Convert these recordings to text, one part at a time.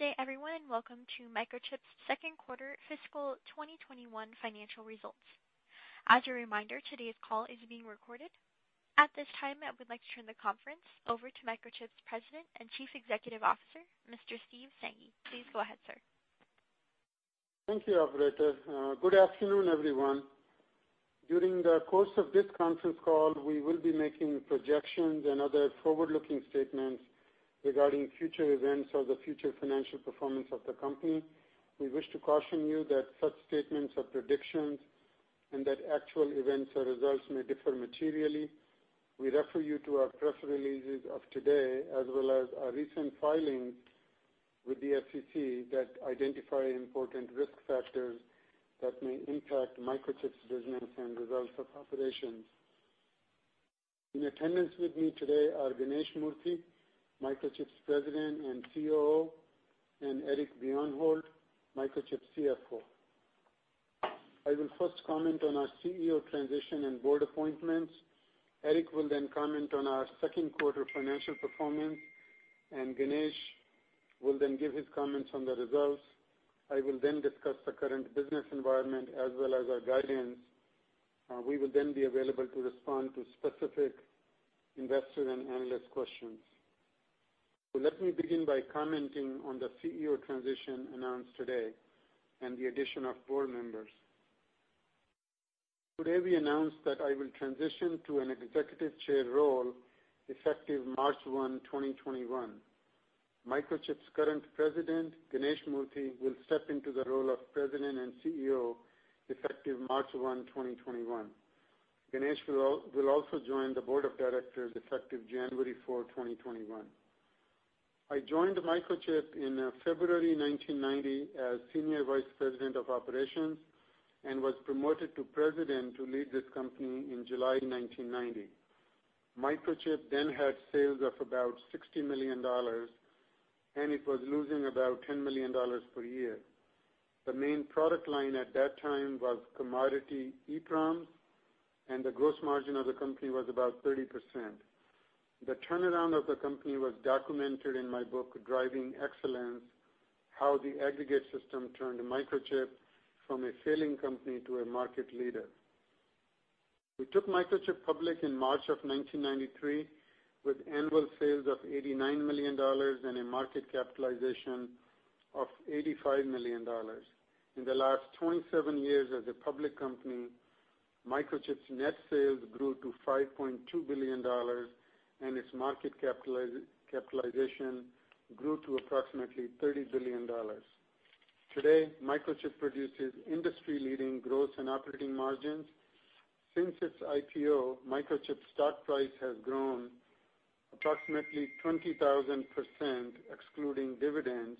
Good day everyone, welcome to Microchip's second quarter fiscal 2021 financial results. As a reminder, today's call is being recorded. At this time, I would like to turn the conference over to Microchip's President and Chief Executive Officer, Mr. Steve Sanghi. Please go ahead, sir. Thank you, operator. Good afternoon, everyone. During the course of this conference call, we will be making projections and other forward-looking statements regarding future events or the future financial performance of the company. We wish to caution you that such statements are predictions and that actual events or results may differ materially. We refer you to our press releases of today as well as our recent filings with the SEC that identify important risk factors that may impact Microchip's business and results of operations. In attendance with me today are Ganesh Moorthy, Microchip's President and COO, and Eric Bjornholt, Microchip's CFO. I will first comment on our CEO transition and board appointments. Eric will then comment on our second quarter financial performance. Ganesh will then give his comments on the results. I will then discuss the current business environment as well as our guidance. We will then be available to respond to specific investor and analyst questions. Let me begin by commenting on the CEO transition announced today and the addition of board members. Today we announced that I will transition to an executive chair role effective March one, 2021. Microchip's current President, Ganesh Moorthy, will step into the role of President and CEO effective March 1, 2021. Ganesh will also join the Board of Directors effective January 4, 2021. I joined Microchip in February 1990 as Senior Vice President of Operations and was promoted to President to lead this company in July 1990. Microchip had sales of about $60 million, and it was losing about $10 million per year. The main product line at that time was commodity EEPROMs, and the gross margin of the company was about 30%. The turnaround of the company was documented in my book, "Driving Excellence: How the Aggregate System Turned Microchip from a Failing Company to a Market Leader." We took Microchip public in March of 1993 with annual sales of $89 million and a market capitalization of $85 million. In the last 27 years as a public company, Microchip's net sales grew to $5.2 billion, and its market capitalization grew to approximately $30 billion. Today, Microchip produces industry-leading growth and operating margins. Since its IPO, Microchip's stock price has grown approximately 20,000%, excluding dividends.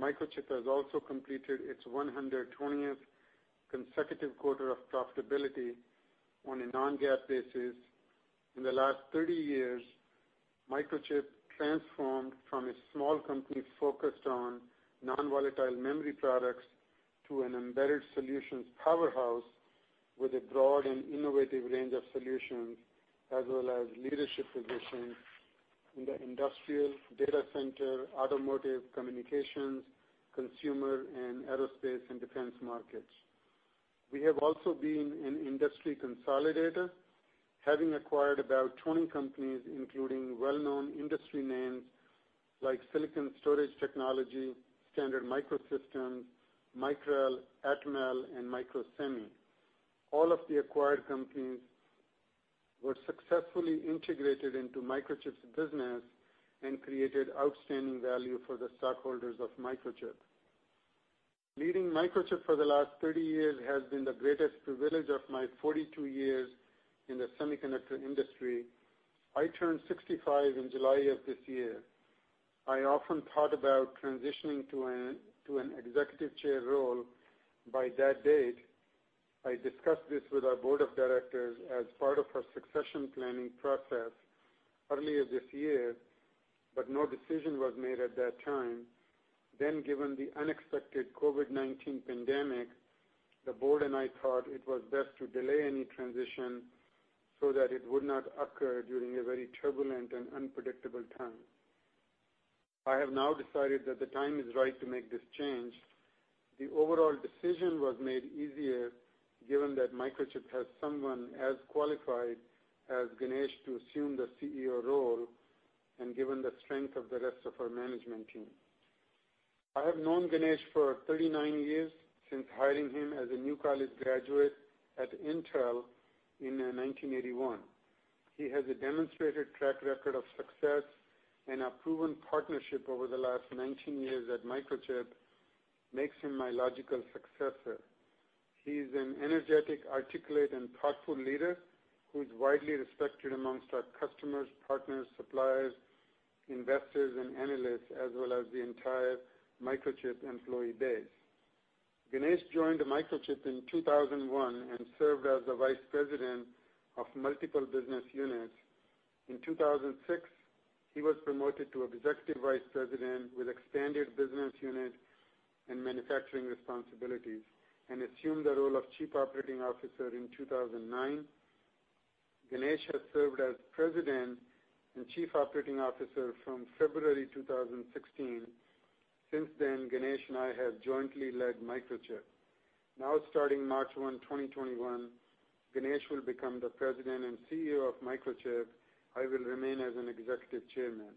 Microchip has also completed its 120th consecutive quarter of profitability on a non-GAAP basis. In the last 30 years, Microchip transformed from a small company focused on non-volatile memory products to an embedded solutions powerhouse with a broad and innovative range of solutions, as well as leadership positions in the industrial, data center, automotive, communications, consumer, and aerospace and defense markets. We have also been an industry consolidator, having acquired about 20 companies, including well-known industry names like Silicon Storage Technology, Standard Microsystems, Micrel, Atmel, and Microsemi. All of the acquired companies were successfully integrated into Microchip's business and created outstanding value for the stockholders of Microchip. Leading Microchip for the last 30 years has been the greatest privilege of my 42 years in the semiconductor industry. I turned 65 in July of this year. I often thought about transitioning to an executive chair role by that date. I discussed this with our board of directors as part of our succession planning process earlier this year. No decision was made at that time. Given the unexpected COVID-19 pandemic, the board and I thought it was best to delay any transition so that it would not occur during a very turbulent and unpredictable time. I have now decided that the time is right to make this change. The overall decision was made easier given that Microchip has someone as qualified as Ganesh to assume the CEO role, and given the strength of the rest of our management team. I have known Ganesh for 39 years, since hiring him as a new college graduate at Intel in 1981. He has a demonstrated track record of success. Our proven partnership over the last 19 years at Microchip makes him my logical successor. He's an energetic, articulate, and thoughtful leader who's widely respected amongst our customers, partners, suppliers, investors and analysts, as well as the entire Microchip employee base. Ganesh joined Microchip in 2001 and served as the Vice President of multiple business units. In 2006, he was promoted to Executive Vice President with expanded business unit and manufacturing responsibilities and assumed the role of Chief Operating Officer in 2009. Ganesh has served as President and Chief Operating Officer from February 2016. Ganesh and I have jointly led Microchip. Starting March 1, 2021, Ganesh will become the President and CEO of Microchip. I will remain as an Executive Chairman.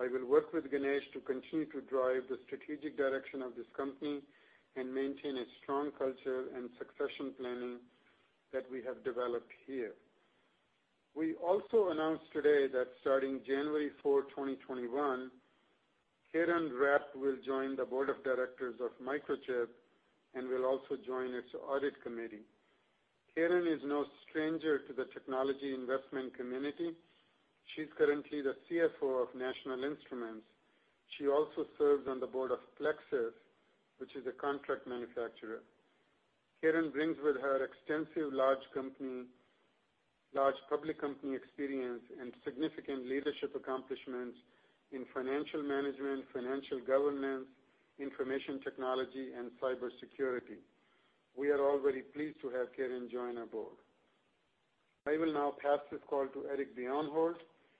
I will work with Ganesh to continue to drive the strategic direction of this company and maintain a strong culture and succession planning that we have developed here. We also announced today that starting January 4, 2021, Karen Rapp will join the board of directors of Microchip and will also join its audit committee. Karen is no stranger to the technology investment community. She's currently the CFO of National Instruments. She also serves on the board of Plexus, which is a contract manufacturer. Karen brings with her extensive large public company experience and significant leadership accomplishments in financial management, financial governance, information technology, and cybersecurity. We are all very pleased to have Karen join our board. I will now pass this call to Eric Bjornholt,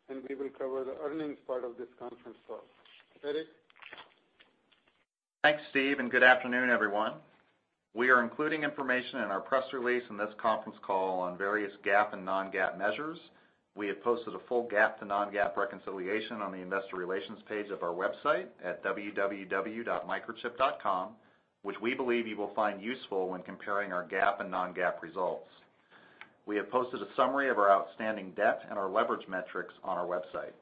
and we will cover the earnings part of this conference call. Eric? Thanks, Steve. Good afternoon, everyone. We are including information in our press release and this conference call on various GAAP and non-GAAP measures. We have posted a full GAAP to non-GAAP reconciliation on the investor relations page of our website at www.microchip.com, which we believe you will find useful when comparing our GAAP and non-GAAP results. We have posted a summary of our outstanding debt and our leverage metrics on our website.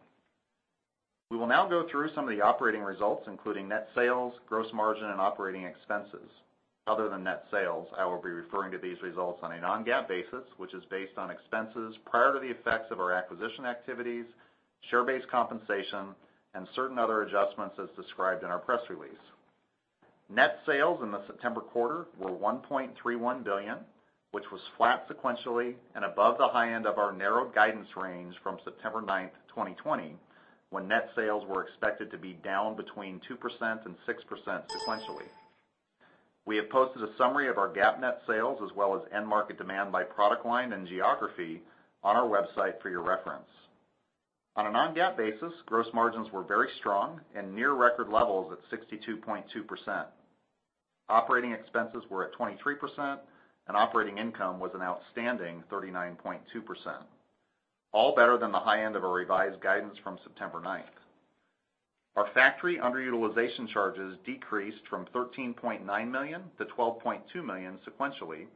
We will now go through some of the operating results, including net sales, gross margin, and operating expenses. Other than net sales, I will be referring to these results on a non-GAAP basis, which is based on expenses prior to the effects of our acquisition activities, share-based compensation, and certain other adjustments as described in our press release. Net sales in the September quarter were $1.31 billion, which was flat sequentially and above the high end of our narrowed guidance range from September 9, 2020, when net sales were expected to be down between 2% and 6% sequentially. We have posted a summary of our GAAP net sales as well as end market demand by product line and geography on our website for your reference. On a non-GAAP basis, gross margins were very strong and near record levels at 62.2%. Operating expenses were at 23%, and operating income was an outstanding 39.2%, all better than the high end of our revised guidance from September 9. Our factory underutilization charges decreased from $13.9 million-$12.2 million sequentially,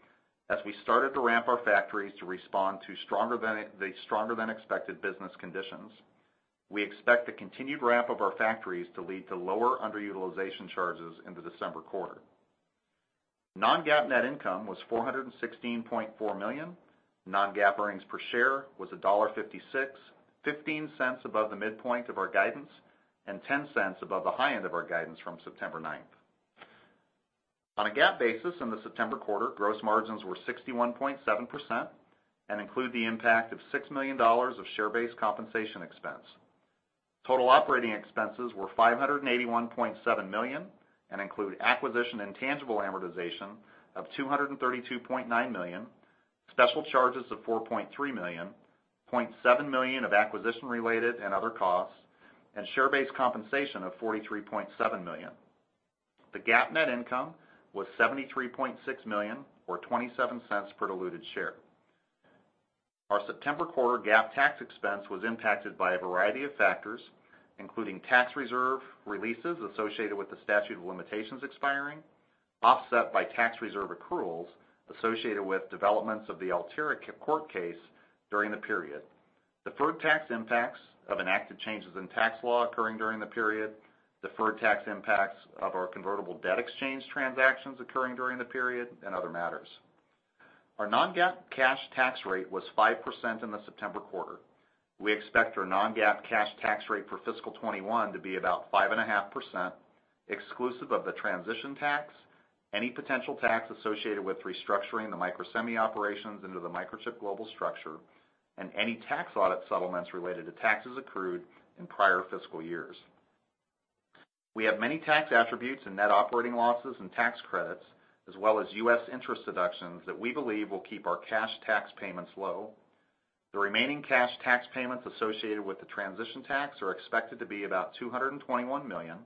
as we started to ramp our factories to respond to the stronger than expected business conditions. We expect the continued ramp of our factories to lead to lower underutilization charges in the December quarter. Non-GAAP net income was $416.4 million. Non-GAAP earnings per share was $1.56, $0.15 above the midpoint of our guidance and $0.10 above the high end of our guidance from September 9th. On a GAAP basis in the September quarter, gross margins were 61.7% and include the impact of $6 million of share-based compensation expense. Total operating expenses were $581.7 million and include acquisition intangible amortization of $232.9 million, special charges of $4.3 million, $0.7 million of acquisition-related and other costs, and share-based compensation of $43.7 million. The GAAP net income was $73.6 million or $0.27 per diluted share. Our September quarter GAAP tax expense was impacted by a variety of factors, including tax reserve releases associated with the statute of limitations expiring, offset by tax reserve accruals associated with developments of the Altera court case during the period, deferred tax impacts of enacted changes in tax law occurring during the period, deferred tax impacts of our convertible debt exchange transactions occurring during the period, and other matters. Our non-GAAP cash tax rate was 5% in the September quarter. We expect our non-GAAP cash tax rate for fiscal 2021 to be about 5.5%, exclusive of the transition tax, any potential tax associated with restructuring the Microsemi operations into the Microchip global structure, and any tax audit settlements related to taxes accrued in prior fiscal years. We have many tax attributes and net operating losses and tax credits, as well as U.S. interest deductions that we believe will keep our cash tax payments low. The remaining cash tax payments associated with the transition tax are expected to be about $221 million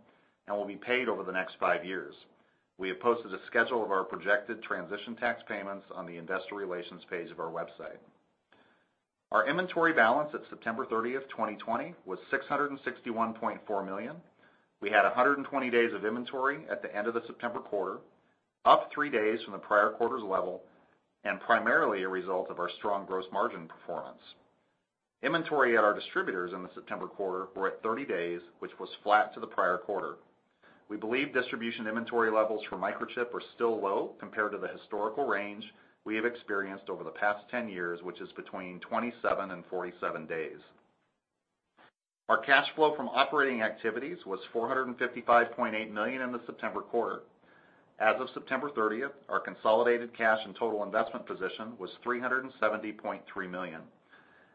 and will be paid over the next five years. We have posted a schedule of our projected transition tax payments on the investor relations page of our website. Our inventory balance at September 30th, 2020, was $661.4 million. We had 120 days of inventory at the end of the September quarter, up three days from the prior quarter's level and primarily a result of our strong gross margin performance. Inventory at our distributors in the September quarter were at 30 days, which was flat to the prior quarter. We believe distribution inventory levels for Microchip are still low compared to the historical range we have experienced over the past 10 years, which is between 27 and 47 days. Our cash flow from operating activities was $455.8 million in the September quarter. As of September 30th, our consolidated cash and total investment position was $370.3 million.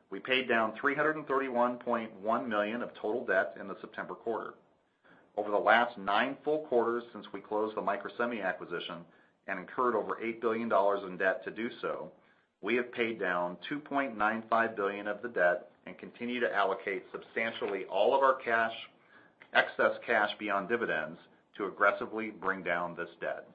We paid down $331.1 million of total debt in the September quarter. Over the last nine full quarters since we closed the Microsemi acquisition and incurred over $8 billion in debt to do so, we have paid down $2.95 billion of the debt and continue to allocate substantially all of our excess cash beyond dividends to aggressively bring down this debt.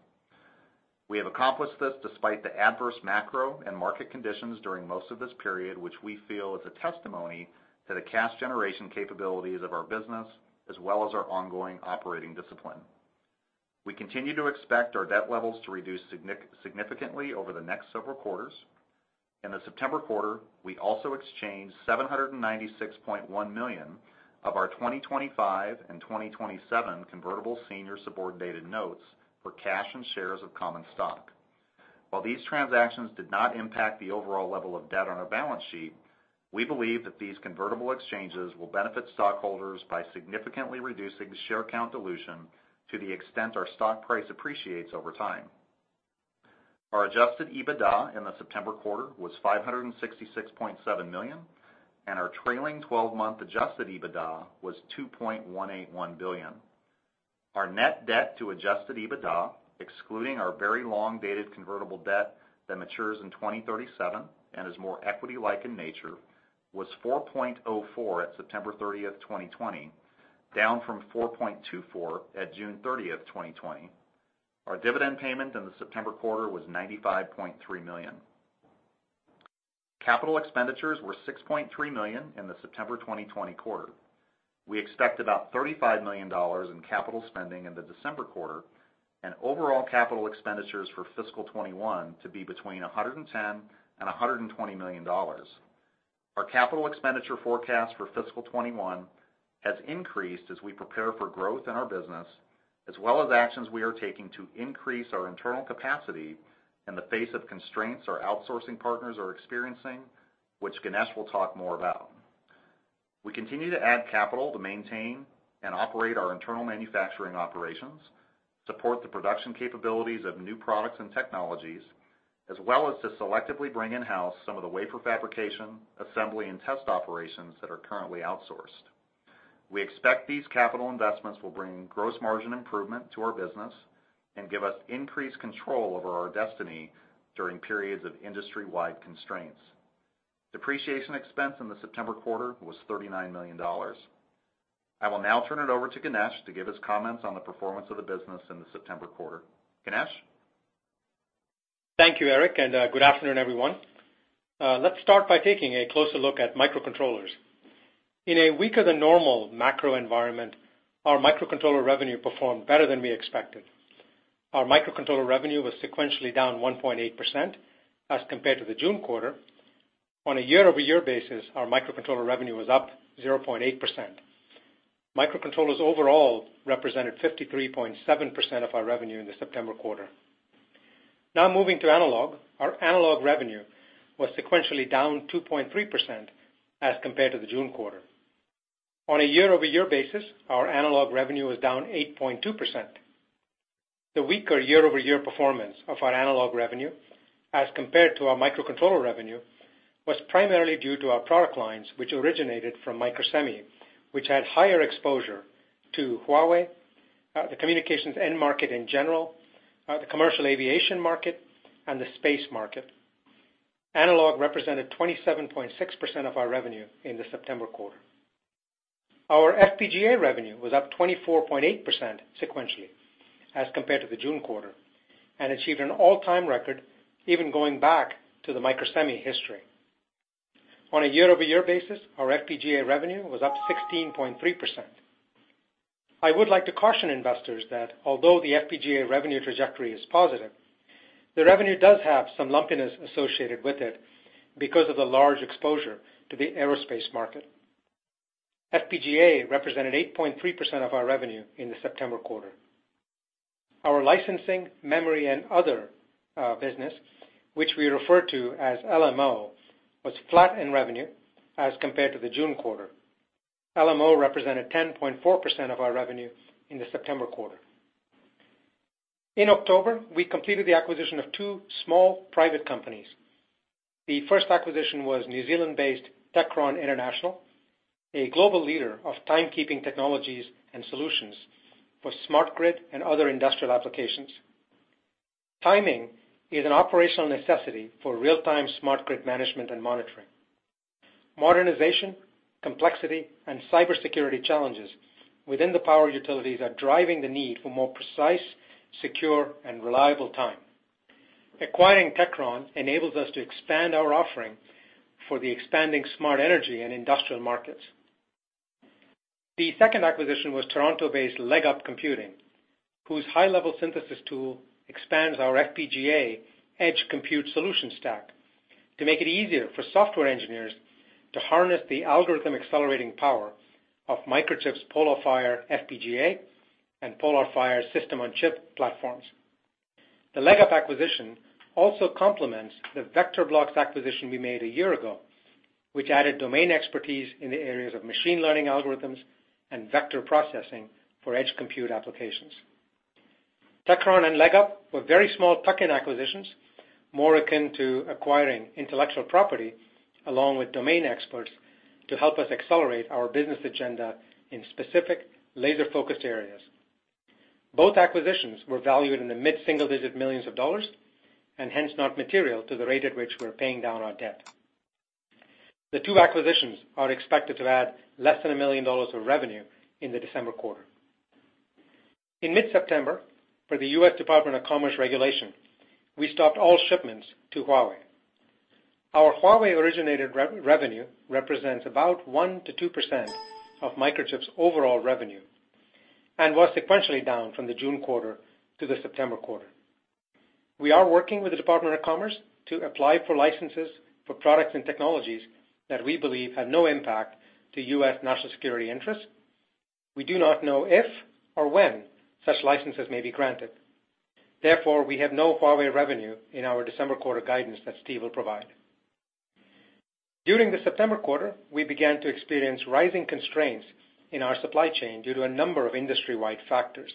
We have accomplished this despite the adverse macro and market conditions during most of this period, which we feel is a testimony to the cash generation capabilities of our business, as well as our ongoing operating discipline. We continue to expect our debt levels to reduce significantly over the next several quarters. In the September quarter, we also exchanged $796.1 million of our 2025 and 2027 convertible senior subordinated notes for cash and shares of common stock. While these transactions did not impact the overall level of debt on our balance sheet, we believe that these convertible exchanges will benefit stockholders by significantly reducing share count dilution to the extent our stock price appreciates over time. Our adjusted EBITDA in the September quarter was $566.7 million, and our trailing 12-month adjusted EBITDA was $2.181 billion. Our net debt to adjusted EBITDA, excluding our very long-dated convertible debt that matures in 2037 and is more equity-like in nature, was 4.04x at September 30th, 2020, down from 4.24x at June 30th, 2020. Our dividend payment in the September quarter was $95.3 million. Capital expenditures were $6.3 million in the September 2020 quarter. We expect about $35 million in capital spending in the December quarter and overall capital expenditures for fiscal 2021 to be between $110 million and $120 million. Our capital expenditure forecast for fiscal 2021 has increased as we prepare for growth in our business, as well as actions we are taking to increase our internal capacity in the face of constraints our outsourcing partners are experiencing, which Ganesh will talk more about. We continue to add capital to maintain and operate our internal manufacturing operations, support the production capabilities of new products and technologies, as well as to selectively bring in-house some of the wafer fabrication, assembly, and test operations that are currently outsourced. We expect these capital investments will bring gross margin improvement to our business and give us increased control over our destiny during periods of industry-wide constraints. Depreciation expense in the September quarter was $39 million. I will now turn it over to Ganesh to give his comments on the performance of the business in the September quarter. Ganesh? Thank you, Eric, and good afternoon, everyone. Let's start by taking a closer look at microcontrollers. In a weaker than normal macro environment, our microcontroller revenue performed better than we expected. Our microcontroller revenue was sequentially down 1.8% as compared to the June quarter. On a year-over-year basis, our microcontroller revenue was up 0.8%. Microcontrollers overall represented 53.7% of our revenue in the September quarter. Now moving to analog. Our analog revenue was sequentially down 2.3% as compared to the June quarter. On a year-over-year basis, our analog revenue was down 8.2%. The weaker year-over-year performance of our analog revenue as compared to our microcontroller revenue was primarily due to our product lines which originated from Microsemi, which had higher exposure to Huawei, the communications end market in general, the commercial aviation market, and the space market. Analog represented 27.6% of our revenue in the September quarter. Our FPGA revenue was up 24.8% sequentially as compared to the June quarter and achieved an all-time record, even going back to the Microsemi history. On a year-over-year basis, our FPGA revenue was up 16.3%. I would like to caution investors that although the FPGA revenue trajectory is positive, the revenue does have some lumpiness associated with it because of the large exposure to the aerospace market. FPGA represented 8.3% of our revenue in the September quarter. Our licensing, memory, and other business, which we refer to as LMO, was flat in revenue as compared to the June quarter. LMO represented 10.4% of our revenue in the September quarter. In October, we completed the acquisition of two small private companies. The first acquisition was New Zealand-based Tekron International, a global leader of timekeeping technologies and solutions for smart grid and other industrial applications. Timing is an operational necessity for real-time smart grid management and monitoring. Modernization, complexity, and cybersecurity challenges within the power utilities are driving the need for more precise, secure, and reliable time. Acquiring Tekron enables us to expand our offering for the expanding smart energy and industrial markets. The second acquisition was Toronto-based LegUp Computing, whose high-level synthesis tool expands our FPGA edge compute solution stack to make it easier for software engineers to harness the algorithm accelerating power of Microchip's PolarFire FPGA and PolarFire system-on-chip platforms. The LegUp acquisition also complements the VectorBlox acquisition we made a year ago, which added domain expertise in the areas of machine learning algorithms and vector processing for edge compute applications. Tekron and LegUp were very small tuck-in acquisitions, more akin to acquiring intellectual property along with domain experts to help us accelerate our business agenda in specific laser-focused areas. Both acquisitions were valued in the mid-single digit millions of dollars, and hence not material to the rate at which we're paying down our debt. The two acquisitions are expected to add less than $1 million of revenue in the December quarter. In mid-September, per the U.S. Department of Commerce regulation, we stopped all shipments to Huawei. Our Huawei-originated revenue represents about 1%-2% of Microchip's overall revenue and was sequentially down from the June quarter to the September quarter. We are working with the Department of Commerce to apply for licenses for products and technologies that we believe have no impact to U.S. national security interests. We do not know if or when such licenses may be granted. Therefore, we have no Huawei revenue in our December quarter guidance that Steve will provide. During the September quarter, we began to experience rising constraints in our supply chain due to a number of industry-wide factors.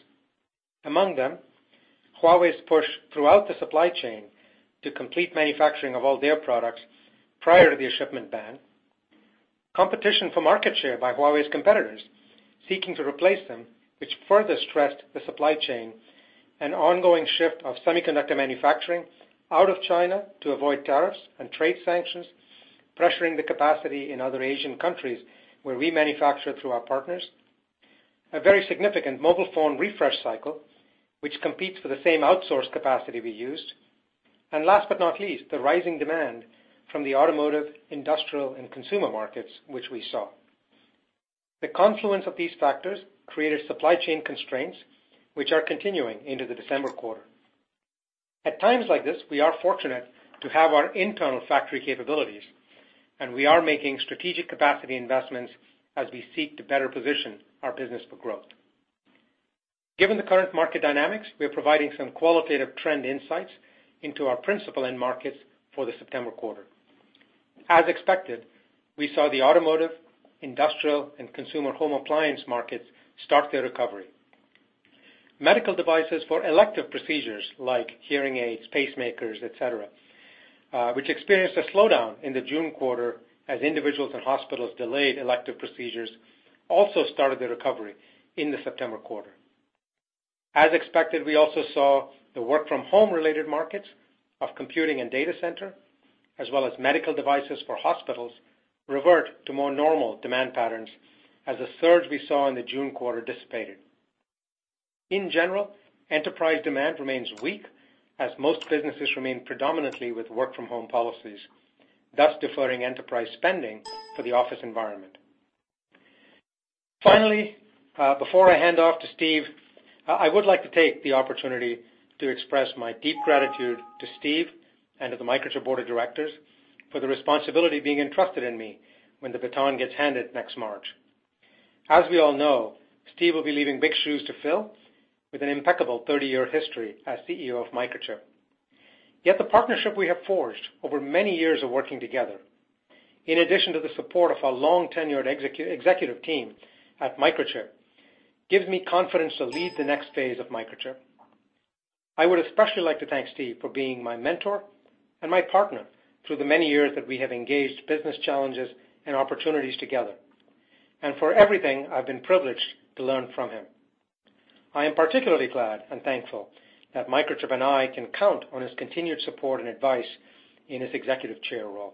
Among them, Huawei's push throughout the supply chain to complete manufacturing of all their products prior to the shipment ban, competition for market share by Huawei's competitors seeking to replace them, which further stressed the supply chain, an ongoing shift of semiconductor manufacturing out of China to avoid tariffs and trade sanctions, pressuring the capacity in other Asian countries where we manufacture through our partners, a very significant mobile phone refresh cycle, which competes for the same outsource capacity we used. Last but not least, the rising demand from the automotive, industrial, and consumer markets which we saw. The confluence of these factors created supply chain constraints, which are continuing into the December quarter. At times like this, we are fortunate to have our internal factory capabilities, and we are making strategic capacity investments as we seek to better position our business for growth. Given the current market dynamics, we are providing some qualitative trend insights into our principal end markets for the September quarter. As expected, we saw the automotive, industrial, and consumer home appliance markets start their recovery. Medical devices for elective procedures like hearing aids, pacemakers, et cetera, which experienced a slowdown in the June quarter as individuals and hospitals delayed elective procedures, also started their recovery in the September quarter. As expected, we also saw the work from home related markets of computing and data center, as well as medical devices for hospitals, revert to more normal demand patterns as the surge we saw in the June quarter dissipated. In general, enterprise demand remains weak as most businesses remain predominantly with work from home policies, thus deferring enterprise spending for the office environment. Finally, before I hand off to Steve, I would like to take the opportunity to express my deep gratitude to Steve and to the Microchip board of directors for the responsibility being entrusted in me when the baton gets handed next March. As we all know, Steve will be leaving big shoes to fill with an impeccable 30-year history as CEO of Microchip. Yet the partnership we have forged over many years of working together, in addition to the support of our long tenured executive team at Microchip, gives me confidence to lead the next phase of Microchip. I would especially like to thank Steve for being my mentor and my partner through the many years that we have engaged business challenges and opportunities together, and for everything I've been privileged to learn from him. I am particularly glad and thankful that Microchip and I can count on his continued support and advice in his executive chair role.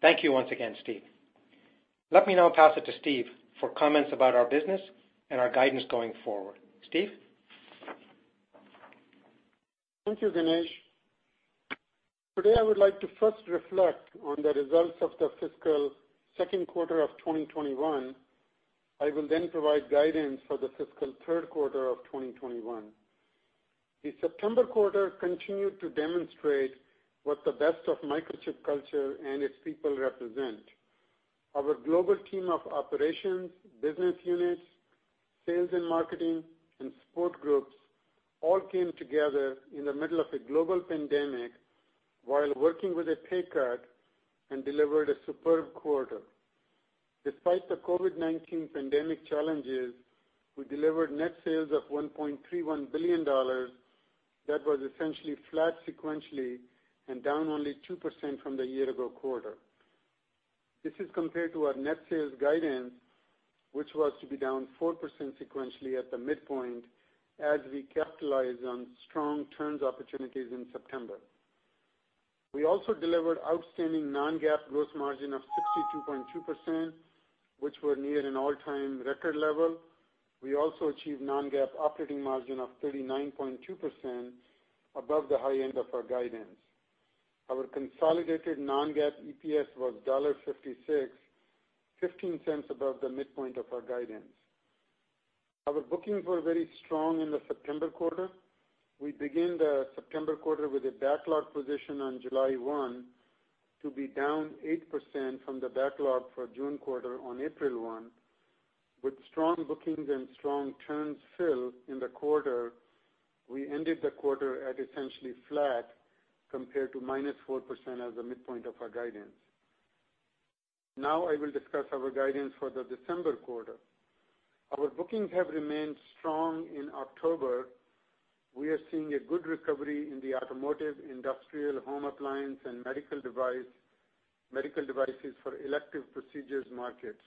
Thank you once again, Steve. Let me now pass it to Steve for comments about our business and our guidance going forward. Steve? Thank you, Ganesh. Today I would like to first reflect on the results of the fiscal second quarter of 2021. I will then provide guidance for the fiscal third quarter of 2021. The September quarter continued to demonstrate what the best of Microchip culture and its people represent. Our global team of operations, business units, sales and marketing, and support groups all came together in the middle of a global pandemic while working with a pay cut and delivered a superb quarter. Despite the COVID-19 pandemic challenges, we delivered net sales of $1.31 billion that was essentially flat sequentially and down only 2% from the year ago quarter. This is compared to our net sales guidance, which was to be down 4% sequentially at the midpoint as we capitalized on strong turns opportunities in September. We also delivered outstanding non-GAAP gross margin of 62.2%, which were near an all-time record level. We also achieved non-GAAP operating margin of 39.2%, above the high end of our guidance. Our consolidated non-GAAP EPS was $1.56, $0.15 above the midpoint of our guidance. Our bookings were very strong in the September quarter. We began the September quarter with a backlog position on July 1 to be down 8% from the backlog for June quarter on April 1. With strong bookings and strong turns fill in the quarter, we ended the quarter at essentially flat compared to minus 4% as the midpoint of our guidance. Now I will discuss our guidance for the December quarter. Our bookings have remained strong in October. We are seeing a good recovery in the automotive, industrial, home appliance, and medical devices for elective procedures markets.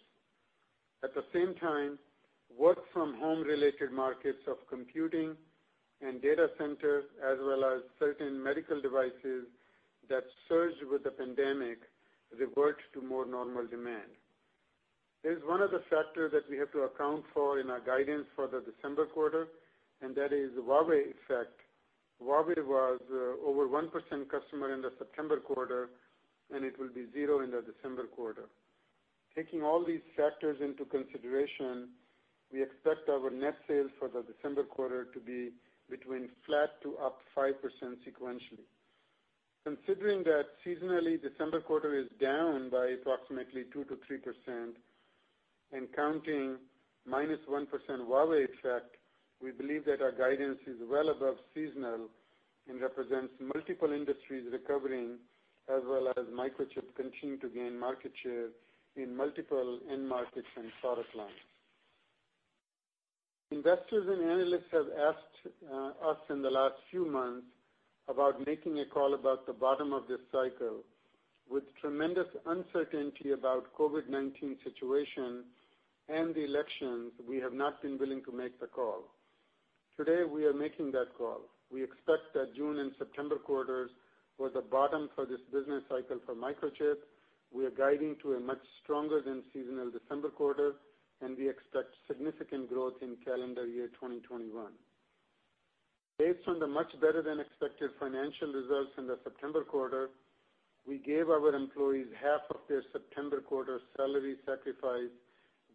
At the same time, work from home related markets of computing and data centers, as well as certain medical devices that surged with the pandemic, revert to more normal demand. There's one other factor that we have to account for in our guidance for the December quarter, and that is Huawei effect. Huawei was over 1% customer in the September quarter, and it will be zero in the December quarter. Taking all these factors into consideration, we expect our net sales for the December quarter to be between flat to up 5% sequentially. Considering that seasonally December quarter is down by approximately 2%-3%, and counting minus 1% Huawei effect, we believe that our guidance is well above seasonal and represents multiple industries recovering, as well as Microchip continuing to gain market share in multiple end markets and product lines. Investors and analysts have asked us in the last few months about making a call about the bottom of this cycle. With tremendous uncertainty about COVID-19 situation and the elections, we have not been willing to make the call. Today, we are making that call. We expect that June and September quarters were the bottom for this business cycle for Microchip. We are guiding to a much stronger than seasonal December quarter. We expect significant growth in calendar year 2021. Based on the much better than expected financial results in the September quarter, we gave our employees half of their September quarter salary sacrifice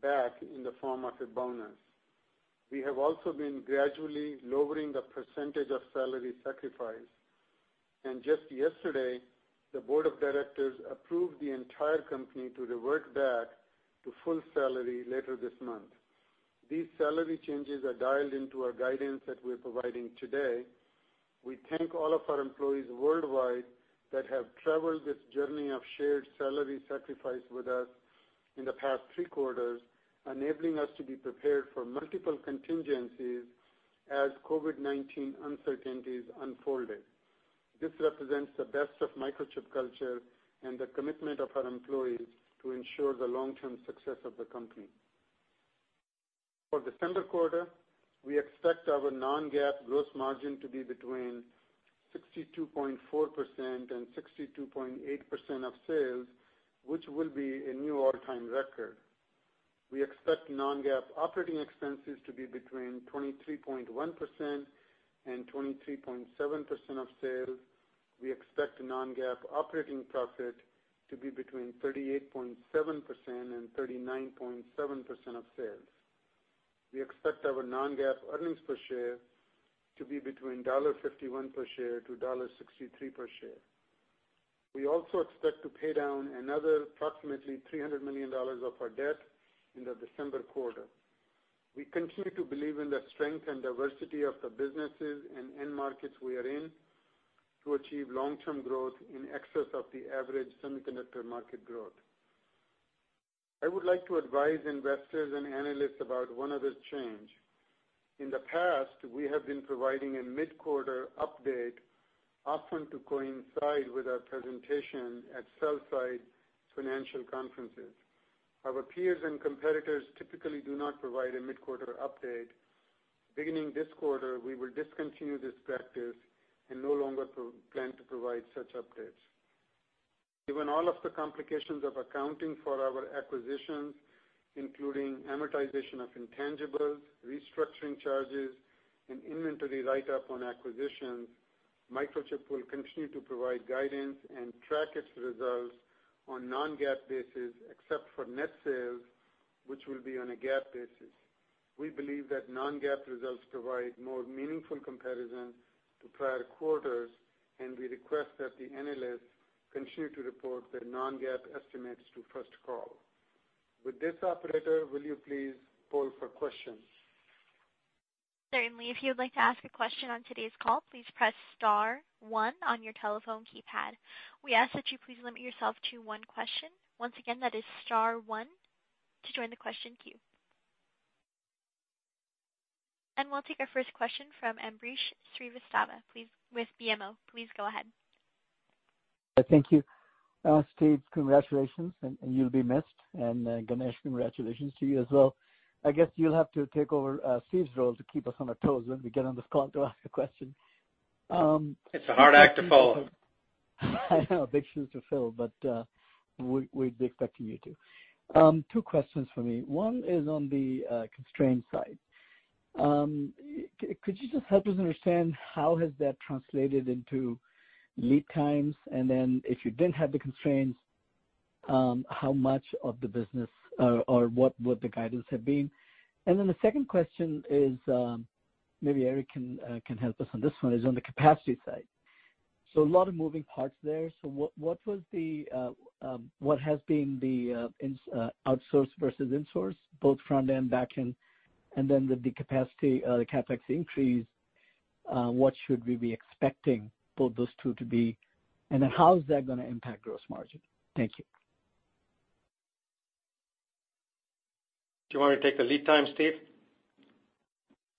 back in the form of a bonus. We have also been gradually lowering the percentage of salary sacrifice. Just yesterday, the board of directors approved the entire company to revert back to full salary later this month. These salary changes are dialed into our guidance that we're providing today. We thank all of our employees worldwide that have traveled this journey of shared salary sacrifice with us in the past three quarters, enabling us to be prepared for multiple contingencies as COVID-19 uncertainties unfolded. This represents the best of Microchip culture and the commitment of our employees to ensure the long-term success of the company. For December quarter, we expect our non-GAAP gross margin to be between 62.4% and 62.8% of sales, which will be a new all-time record. We expect non-GAAP operating expenses to be between 23.1% and 23.7% of sales. We expect non-GAAP operating profit to be between 38.7% and 39.7% of sales. We expect our non-GAAP earnings per share to be between $1.51 per share to $1.63 per share. We also expect to pay down another approximately $300 million of our debt in the December quarter. We continue to believe in the strength and diversity of the businesses and end markets we are in to achieve long-term growth in excess of the average semiconductor market growth. I would like to advise investors and analysts about one other change. In the past, we have been providing a mid-quarter update, often to coincide with our presentation at sell-side financial conferences. Our peers and competitors typically do not provide a mid-quarter update. Beginning this quarter, we will discontinue this practice and no longer plan to provide such updates. Given all of the complications of accounting for our acquisitions, including amortization of intangibles, restructuring charges, and inventory write-up on acquisitions, Microchip will continue to provide guidance and track its results on non-GAAP basis, except for net sales, which will be on a GAAP basis. We believe that non-GAAP results provide more meaningful comparison to prior quarters, and we request that the analysts continue to report their non-GAAP estimates to First Call. With this, operator, will you please poll for questions? Certainly. If you would like to ask a question on today's call, please press star one on your telephone keypad. We ask that you please limit yourself to one question. Once again, that is star one to join the question queue. We'll take our first question from Ambrish Srivastava with BMO. Please go ahead. Thank you. Steve, congratulations, and you'll be missed. Ganesh, congratulations to you as well. I guess you'll have to take over Steve's role to keep us on our toes when we get on this call to ask a question. It's a hard act to follow. I know, big shoes to fill, but we'll be expecting you to. Two questions for me. One is on the constraint side. Could you just help us understand how has that translated into lead times? If you didn't have the constraints, how much of the business, or what would the guidance have been? The second question is, maybe Eric can help us on this one, is on the capacity side. A lot of moving parts there. What has been the outsource versus in-source, both front and back end? The CapEx increase, what should we be expecting both those two to be? How is that going to impact gross margin? Thank you. Do you want me to take the lead time, Steve?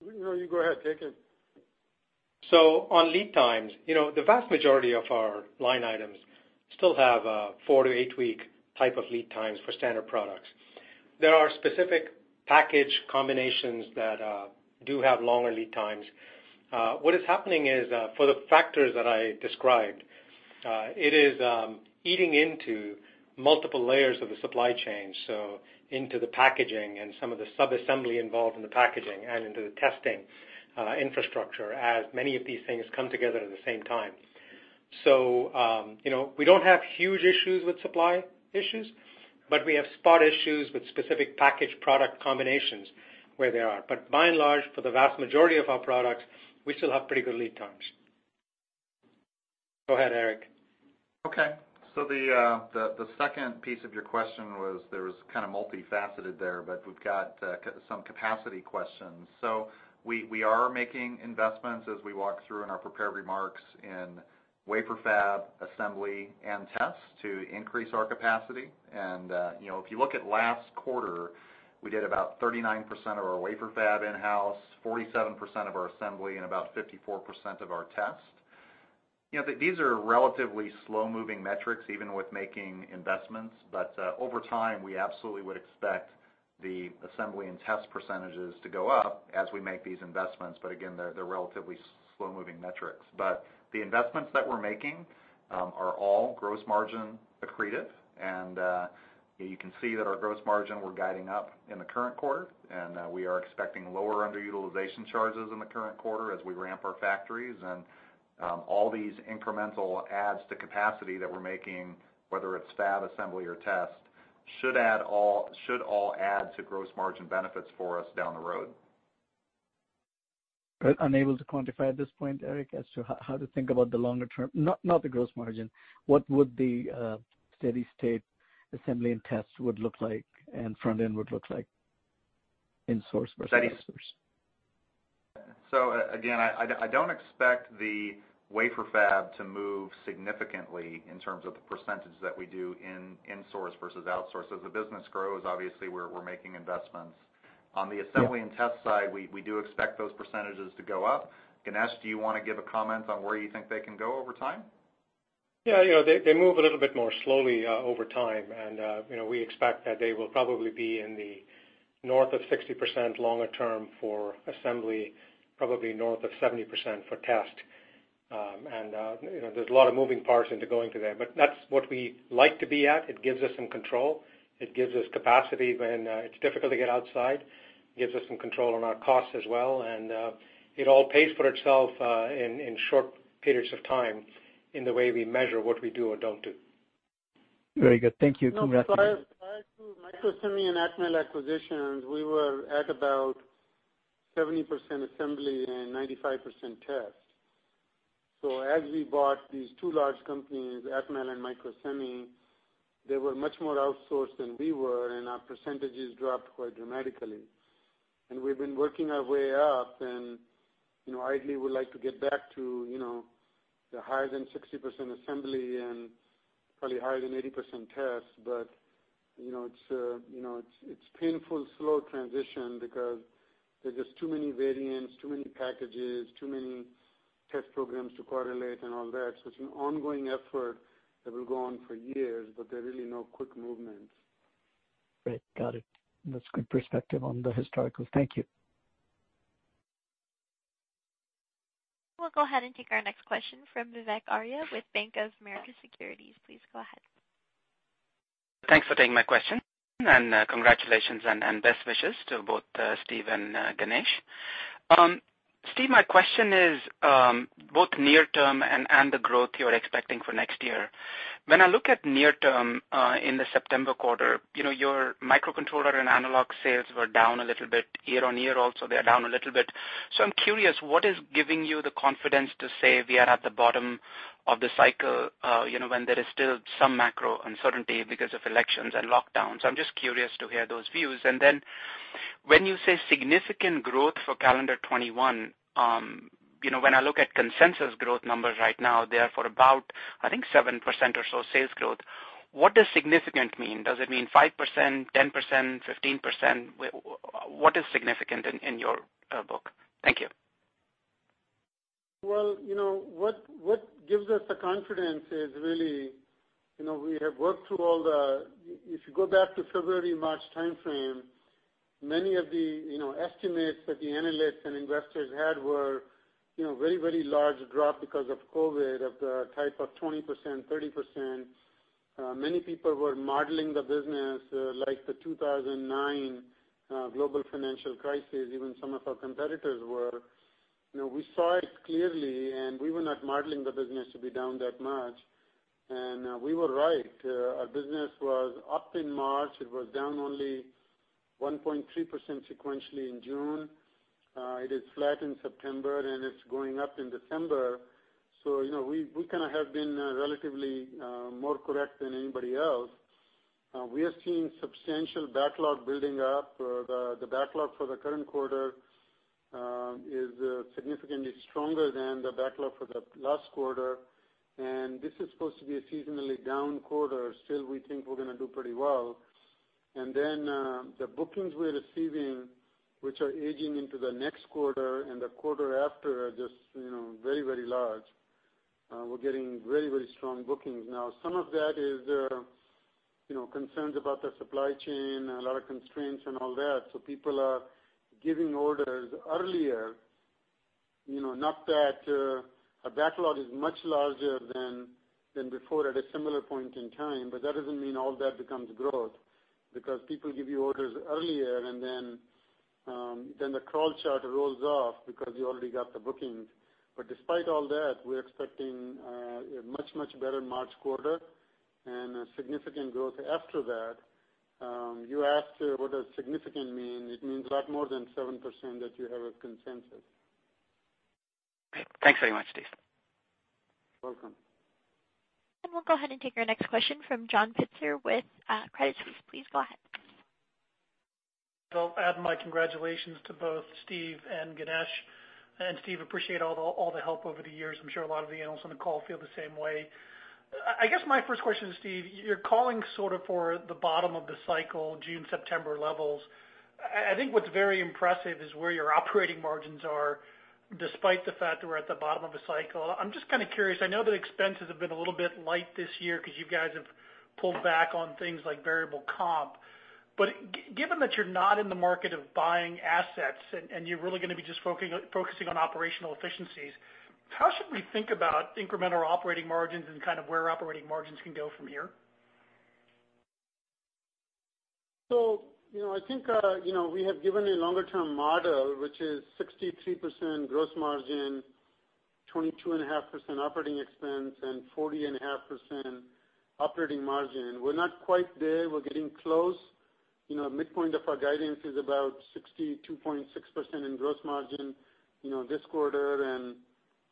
No, you go ahead, take it. On lead times, the vast majority of our line items still have a four to eight week type of lead times for standard products. There are specific package combinations that do have longer lead times. What is happening is, for the factors that I described, it is eating into multiple layers of the supply chain, so into the packaging and some of the sub-assembly involved in the packaging and into the testing, infrastructure, as many of these things come together at the same time. We don't have huge issues with supply issues, but we have spot issues with specific package product combinations where they are. By and large, for the vast majority of our products, we still have pretty good lead times. Go ahead, Eric. Okay. The second piece of your question was there was kind of multifaceted there, but we've got some capacity questions. We are making investments as we walk through in our prepared remarks in wafer fab, assembly, and test to increase our capacity. If you look at last quarter, we did about 39% of our wafer fab in-house, 47% of our assembly, and about 54% of our test. These are relatively slow-moving metrics, even with making investments. Over time, we absolutely would expect the assembly and test percentages to go up as we make these investments. Again, they're relatively slow-moving metrics. The investments that we're making are all gross margin accretive, and you can see that our gross margin, we're guiding up in the current quarter, and we are expecting lower underutilization charges in the current quarter as we ramp our factories. All these incremental adds to capacity that we're making, whether it's fab, assembly, or test, should all add to gross margin benefits for us down the road. Unable to quantify at this point, Eric, as to how to think about the longer term, not the gross margin, what would the steady state assembly and test would look like and front-end would look like in source versus outsource? Again, I don't expect the wafer fab to move significantly in terms of the percentage that we do in in-source versus outsource. As the business grows, obviously, we're making investments. On the assembly and test side, we do expect those percentages to go up. Ganesh, do you want to give a comment on where you think they can go over time? Yeah. They move a little bit more slowly over time. We expect that they will probably be in the north of 60% longer term for assembly, probably north of 70% for test. There's a lot of moving parts into going to there, but that's what we like to be at. It gives us some control. It gives us capacity when it's difficult to get outside. It gives us some control on our costs as well, and it all pays for itself in short periods of time in the way we measure what we do or don't do. Very good. Thank you. Prior to Microsemi and Atmel acquisitions, we were at about 70% assembly and 95% test. As we bought these two large companies, Atmel and Microsemi, they were much more outsourced than we were, and our percentages dropped quite dramatically. We've been working our way up, and ideally, we'd like to get back to the higher than 60% assembly and probably higher than 80% test. It's painful, slow transition because there's just too many variants, too many packages, too many test programs to correlate and all that. It's an ongoing effort that will go on for years, but there are really no quick movements. Great. Got it. That's good perspective on the historical. Thank you. We'll go ahead and take our next question from Vivek Arya with Bank of America Securities. Please go ahead. Thanks for taking my question. Congratulations and best wishes to both Steve and Ganesh. Steve, my question is both near term and the growth you're expecting for next year. When I look at near term in the September quarter, your microcontroller and analog sales were down a little bit. Year-on-year also, they are down a little bit. I'm curious, what is giving you the confidence to say we are at the bottom of the cycle when there is still some macro uncertainty because of elections and lockdowns? I'm just curious to hear those views. When you say significant growth for calendar 2021, when I look at consensus growth numbers right now, they are for about, I think 7% or so sales growth. What does significant mean? Does it mean 5%, 10%, 15%? What is significant in your book? Thank you. Well, what gives us the confidence is really, we have worked through all the. If you go back to February, March timeframe, many of the estimates that the analysts and investors had were very large drop because of COVID, of the type of 20%, 30%. Many people were modeling the business like the 2009 global financial crisis, even some of our competitors were. We saw it clearly, we were not modeling the business to be down that much. We were right. Our business was up in March. It was down only 1.3% sequentially in June. It is flat in September, and it's going up in December. We kind of have been relatively more correct than anybody else. We are seeing substantial backlog building up. The backlog for the current quarter is significantly stronger than the backlog for the last quarter. This is supposed to be a seasonally down quarter. Still, we think we're going to do pretty well. The bookings we're receiving, which are aging into the next quarter and the quarter after are just very large. We're getting very strong bookings now. Some of that is concerns about the supply chain, a lot of constraints and all that. People are giving orders earlier. Not that our backlog is much larger than before at a similar point in time, but that doesn't mean all that becomes growth, because people give you orders earlier and then the crawl chart rolls off because you already got the bookings. Despite all that, we're expecting a much better March quarter and a significant growth after that. You asked, what does significant mean? It means a lot more than 7% that you have a consensus. Great. Thanks very much, Steve. Welcome. We'll go ahead and take our next question from John Pitzer with Credit Suisse. Please go ahead. Add my congratulations to both Steve and Ganesh. Steve, appreciate all the help over the years. I'm sure a lot of the analysts on the call feel the same way. I guess my first question is, Steve, you're calling sort of for the bottom of the cycle, June, September levels. I think what's very impressive is where your operating margins are, despite the fact that we're at the bottom of a cycle. I'm just kind of curious, I know that expenses have been a little bit light this year because you guys have pulled back on things like variable comp. Given that you're not in the market of buying assets and you're really going to be just focusing on operational efficiencies, how should we think about incremental operating margins and kind of where operating margins can go from here? I think we have given a longer-term model, which is 63% gross margin, 22.5% operating expense and 40.5% operating margin. We're not quite there. We're getting close. Midpoint of our guidance is about 62.6% in gross margin this quarter, and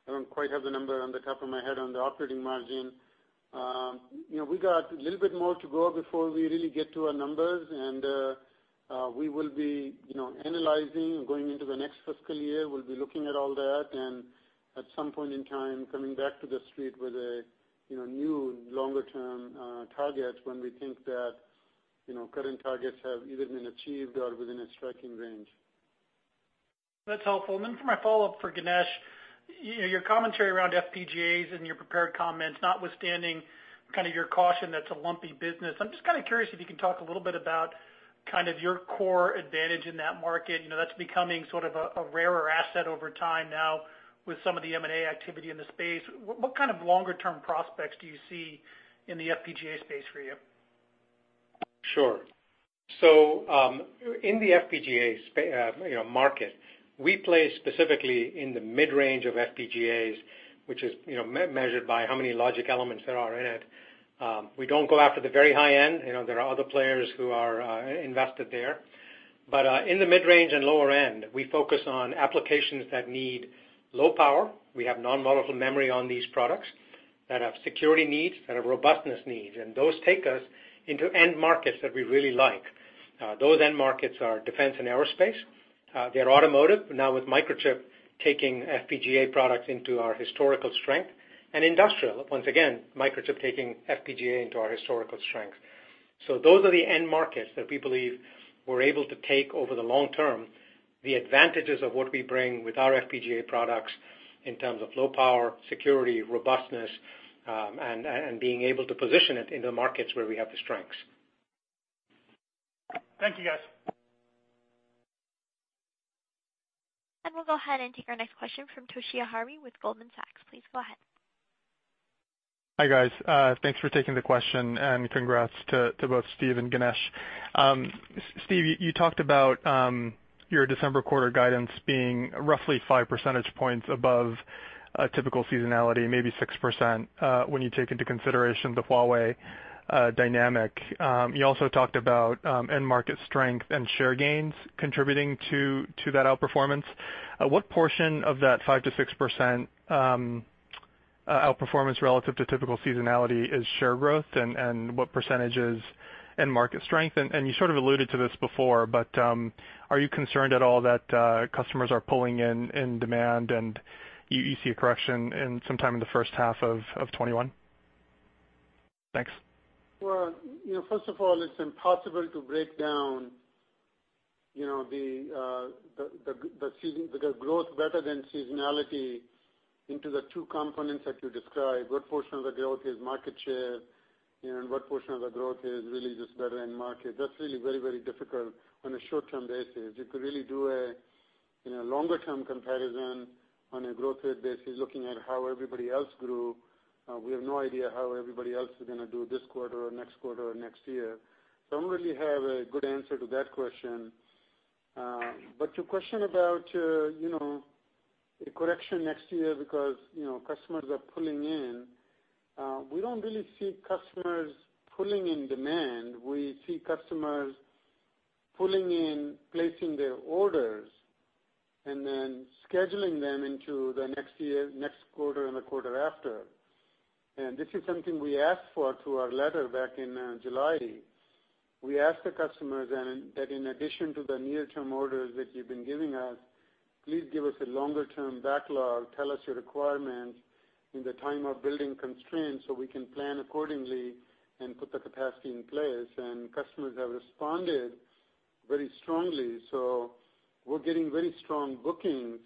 I don't quite have the number on the top of my head on the operating margin. We got a little bit more to go before we really get to our numbers, and we will be analyzing going into the next fiscal year. We'll be looking at all that, and at some point in time, coming back to the street with a new longer-term target when we think that current targets have either been achieved or within a striking range. That's helpful. For my follow-up for Ganesh, your commentary around FPGAs and your prepared comments, notwithstanding kind of your caution, that's a lumpy business. I'm just kind of curious if you can talk a little bit about kind of your core advantage in that market. That's becoming sort of a rarer asset over time now with some of the M&A activity in the space. What kind of longer-term prospects do you see in the FPGA space for you? Sure. In the FPGA market, we play specifically in the mid-range of FPGAs, which is measured by how many logic elements there are in it. We don't go after the very high-end. There are other players who are invested there. In the mid-range and lower end, we focus on applications that need low power. We have non-volatile memory on these products that have security needs and have robustness needs, and those take us into end markets that we really like. Those end markets are defense and aerospace. They're automotive, now with Microchip taking FPGA products into our historical strength, and industrial. Once again, Microchip taking FPGA into our historical strength. Those are the end markets that we believe we're able to take over the long term, the advantages of what we bring with our FPGA products in terms of low power, security, robustness, and being able to position it in the markets where we have the strengths. Thank you, guys. We'll go ahead and take our next question from Toshiya Hari with Goldman Sachs. Please go ahead. Hi, guys. Thanks for taking the question. Congrats to both Steve and Ganesh. Steve, you talked about your December quarter guidance being roughly five percentage points above a typical seasonality, maybe 6%, when you take into consideration the Huawei dynamic. You also talked about end market strength and share gains contributing to that outperformance. What portion of that 5%-6% outperformance relative to typical seasonality is share growth, and what percentage is end market strength? You sort of alluded to this before, are you concerned at all that customers are pulling in demand and you see a correction sometime in the first half of 2021? Thanks. First of all, it's impossible to break down the growth better than seasonality into the two components that you described. What portion of the growth is market share and what portion of the growth is really just better end market? That's really very difficult on a short-term basis. You could really do a longer-term comparison on a growth rate basis, looking at how everybody else grew. I have no idea how everybody else is going to do this quarter or next quarter or next year. I don't really have a good answer to that question. To question about a correction next year because customers are pulling in, we don't really see customers pulling in demand. We see customers pulling in, placing their orders, and then scheduling them into the next year, next quarter, and the quarter after. This is something we asked for through our letter back in July. We asked the customers then that in addition to the near-term orders that you've been giving us, please give us a longer-term backlog. Tell us your requirements in the time of building constraints so we can plan accordingly and put the capacity in place. Customers have responded very strongly. We're getting very strong bookings,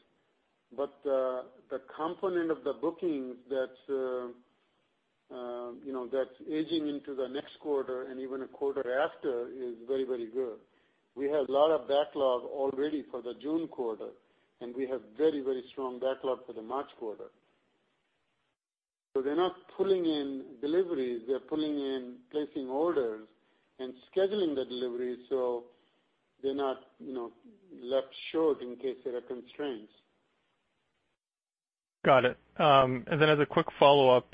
but the component of the bookings that's aging into the next quarter and even a quarter after is very good. We have a lot of backlog already for the June quarter, and we have very strong backlog for the March quarter. They're not pulling in deliveries, they're pulling in placing orders and scheduling the deliveries, so they're not left short in case there are constraints. Got it. As a quick follow-up,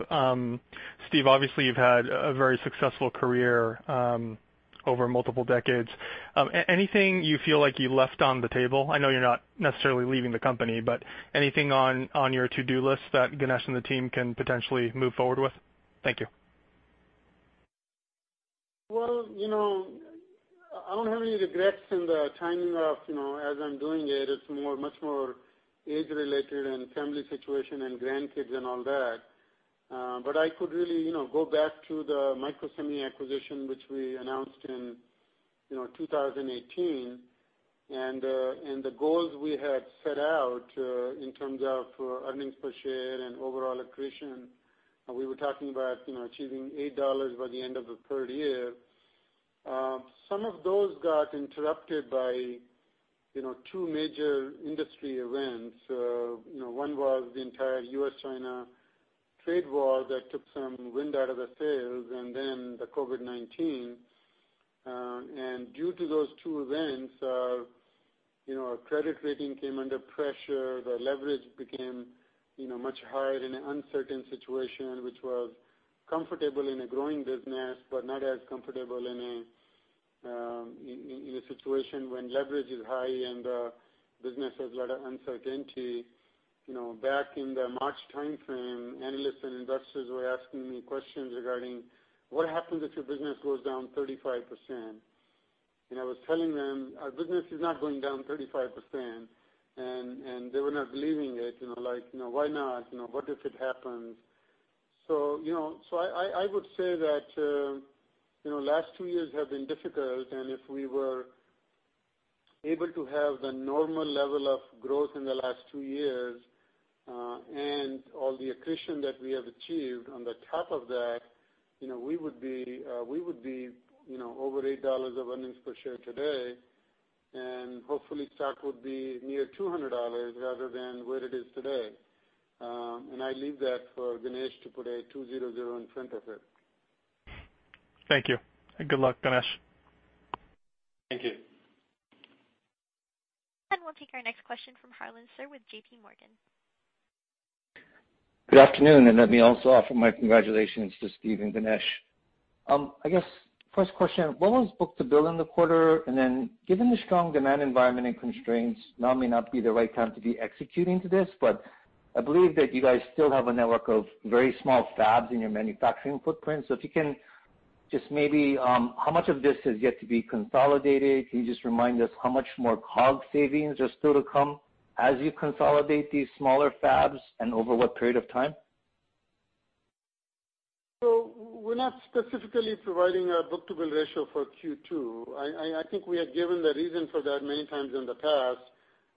Steve, obviously, you've had a very successful career over multiple decades. Anything you feel like you left on the table? I know you're not necessarily leaving the company, but anything on your to-do list that Ganesh and the team can potentially move forward with? Thank you. I don't have any regrets in the timing of as I'm doing it. It's much more age-related and family situation and grandkids and all that. I could really go back to the Microsemi acquisition, which we announced in 2018, and the goals we had set out in terms of earnings per share and overall accretion. We were talking about achieving $8 by the end of the third year. Some of those got interrupted by two major industry events. One was the entire U.S.-China trade war that took some wind out of the sails, the COVID-19. Due to those two events, our credit rating came under pressure. The leverage became much higher in an uncertain situation, which was comfortable in a growing business, but not as comfortable in a situation when leverage is high and the business has a lot of uncertainty. Back in the March timeframe, analysts and investors were asking me questions regarding, "What happens if your business goes down 35%?" I was telling them, "Our business is not going down 35%," and they were not believing it. Like, "Why not? What if it happens?" I would say that last two years have been difficult, and if we were able to have the normal level of growth in the last two years and all the accretion that we have achieved on the top of that, we would be over $8 of earnings per share today. Hopefully stock would be near $200 rather than where it is today. I leave that for Ganesh to put a 200 in front of it. Thank you. Good luck, Ganesh. Thank you. We'll take our next question from Harlan Sur with JPMorgan. Good afternoon. Let me also offer my congratulations to Steve and Ganesh. I guess first question, what was book-to-bill in the quarter? Given the strong demand environment and constraints, now may not be the right time to be executing to this, but I believe that you guys still have a network of very small fabs in your manufacturing footprint. If you can just maybe how much of this has yet to be consolidated? Can you just remind us how much more COG savings are still to come as you consolidate these smaller fabs and over what period of time? We're not specifically providing a book-to-bill ratio for Q2. I think we have given the reason for that many times in the past.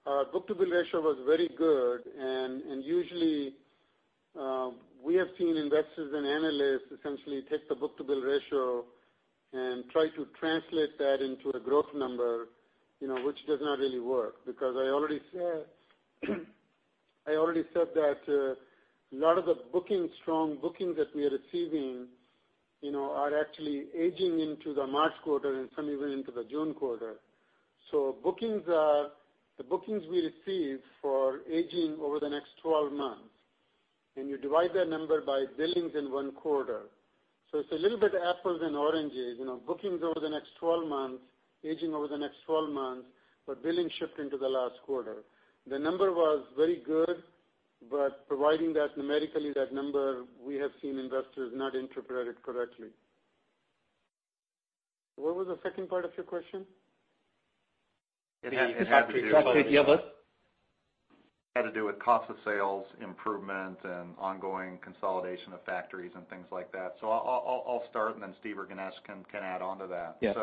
Our book-to-bill ratio was very good, and usually, we have seen investors and analysts essentially take the book-to-bill ratio and try to translate that into a growth number which does not really work. I already said that a lot of the strong bookings that we are receiving are actually aging into the March quarter and some even into the June quarter. The bookings we receive for aging over the next 12 months, and you divide that number by billings in one quarter. It's a little bit apples and oranges. Bookings over the next 12 months, aging over the next 12 months, but billings shipped into the last quarter. The number was very good, but providing that numerically, that number, we have seen investors not interpret it correctly. What was the second part of your question? The factory consolidation. It had to do with cost of sales improvement and ongoing consolidation of factories and things like that. I'll start and then Steve or Ganesh can add onto that. Yeah.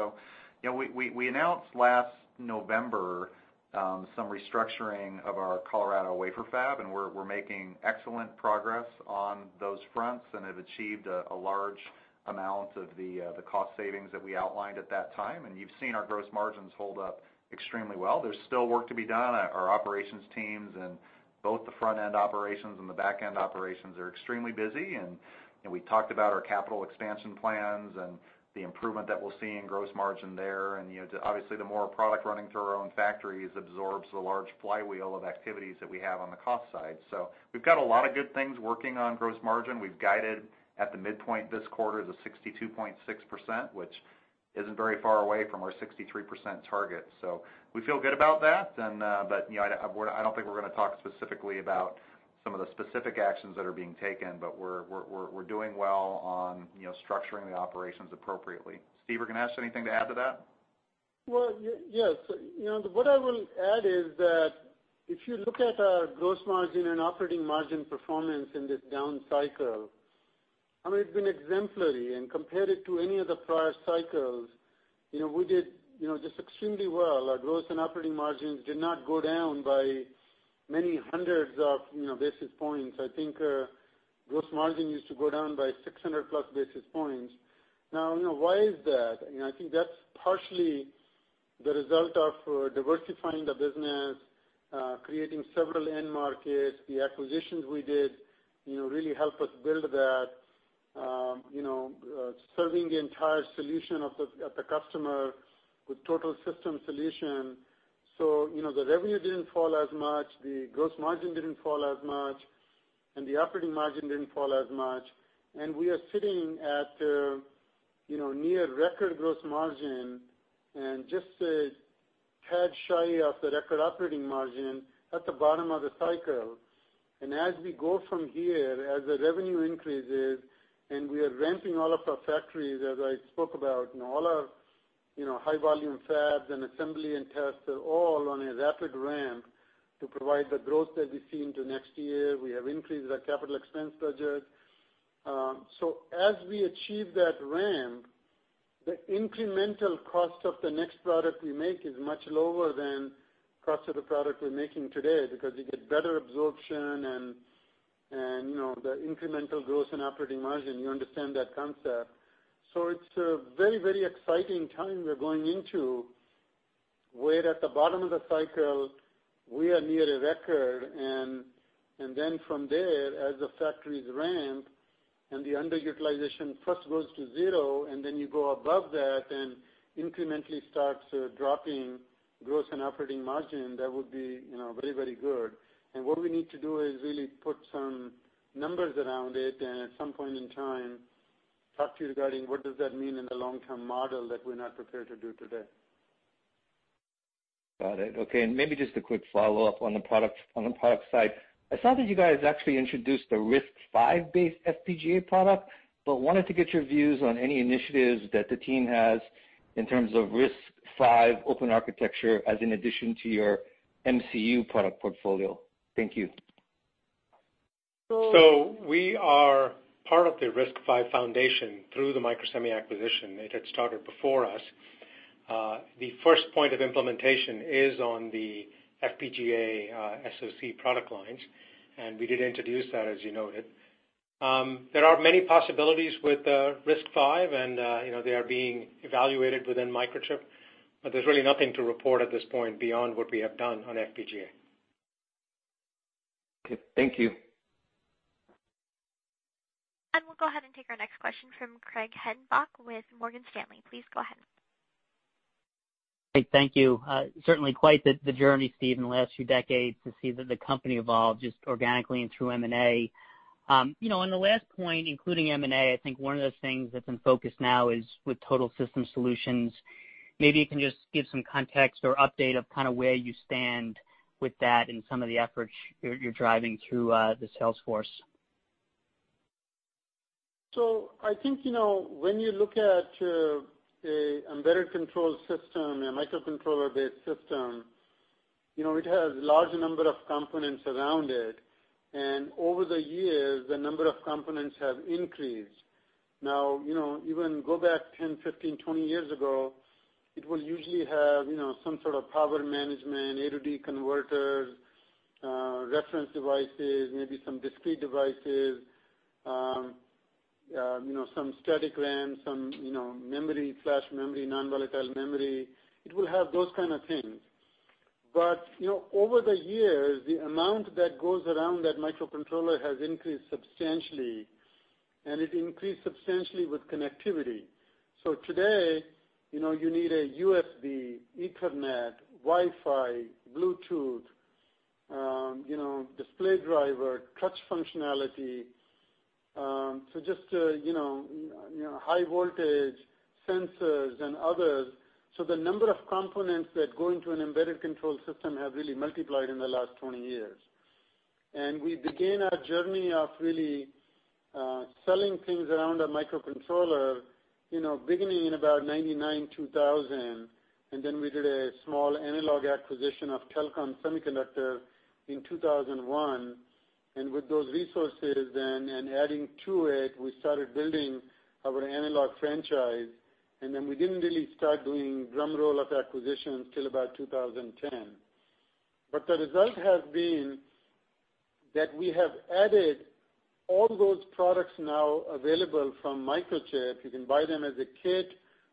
We announced last November some restructuring of our Colorado wafer fab, and we're making excellent progress on those fronts and have achieved a large amount of the cost savings that we outlined at that time, and you've seen our gross margins hold up extremely well. There's still work to be done. Our operations teams and both the front-end operations and the back-end operations are extremely busy, and we talked about our capital expansion plans and the improvement that we'll see in gross margin there. Obviously, the more product running through our own factories absorbs the large flywheel of activities that we have on the cost side. We've got a lot of good things working on gross margin. We've guided at the midpoint this quarter, the 62.6%, which isn't very far away from our 63% target. We feel good about that, but I don't think we're going to talk specifically about some of the specific actions that are being taken, but we're doing well on structuring the operations appropriately. Steve, we're going to ask anything to add to that? Well, yes. What I will add is that if you look at our gross margin and operating margin performance in this down cycle, it's been exemplary. Compared it to any of the prior cycles, we did just extremely well. Our gross and operating margins did not go down by many hundreds of basis points. I think gross margin used to go down by 600+ basis points. Why is that? I think that's partially the result of diversifying the business, creating several end markets. The acquisitions we did really help us build that, serving the entire solution of the customer with total system solution. The revenue didn't fall as much, the gross margin didn't fall as much, and the operating margin didn't fall as much. We are sitting at near record gross margin and just a tad shy of the record operating margin at the bottom of the cycle. As we go from here, as the revenue increases, and we are ramping all of our factories, as I spoke about, all our high-volume fabs and assembly and tests are all on a rapid ramp to provide the growth that we see into next year. We have increased our capital expense budget. As we achieve that ramp, the incremental cost of the next product we make is much lower than cost of the product we're making today because you get better absorption and the incremental gross and operating margin, you understand that concept. It's a very exciting time we're going into, where at the bottom of the cycle, we are near a record, and then from there, as the factories ramp and the underutilization first goes to zero and then you go above that and incrementally starts dropping gross and operating margin, that would be very good. What we need to do is really put some numbers around it and at some point in time, talk to you regarding what does that mean in the long-term model that we're not prepared to do today. Got it. Okay, maybe just a quick follow-up on the product side. I saw that you guys actually introduced a RISC-V based FPGA product, but wanted to get your views on any initiatives that the team has in terms of RISC-V open architecture as an addition to your MCU product portfolio. Thank you. We are part of the RISC-V Foundation through the Microsemi acquisition. It had started before us. The first point of implementation is on the FPGA SoC product lines, and we did introduce that, as you noted. There are many possibilities with RISC-V, and they are being evaluated within Microchip, but there's really nothing to report at this point beyond what we have done on FPGA. Okay. Thank you. We'll go ahead and take our next question from Craig Hettenbach with Morgan Stanley. Please go ahead. Craig, thank you. Certainly quite the journey, Steve, in the last few decades to see that the company evolved just organically and through M&A. On the last point, including M&A, I think one of the things that's in focus now is with total system solutions. Maybe you can just give some context or update of kind of where you stand with that and some of the efforts you're driving through the sales force. I think, when you look at an embedded control system, a microcontroller-based system, it has large number of components around it, and over the years, the number of components have increased. Now, even go back 10, 15, 20 years ago, it will usually have some sort of power management, A/D converters, reference devices, maybe some discrete devices, some static RAM, some flash memory, non-volatile memory. It will have those kind of things. But over the years, the amount that goes around that microcontroller has increased substantially, and it increased substantially with connectivity. Today, you need a USB, Ethernet, Wi-Fi, Bluetooth, display driver, touch functionality. Just high voltage sensors and others. The number of components that go into an embedded control system have really multiplied in the last 20 years. We began our journey of really selling things around a microcontroller beginning in about 1999, 2000, then we did a small analog acquisition of TelCom Semiconductor in 2001. With those resources then and adding to it, we started building our analog franchise, then we didn't really start doing drum roll of acquisitions till about 2010. The result has been that we have added all those products now available from Microchip. You can buy them as a kit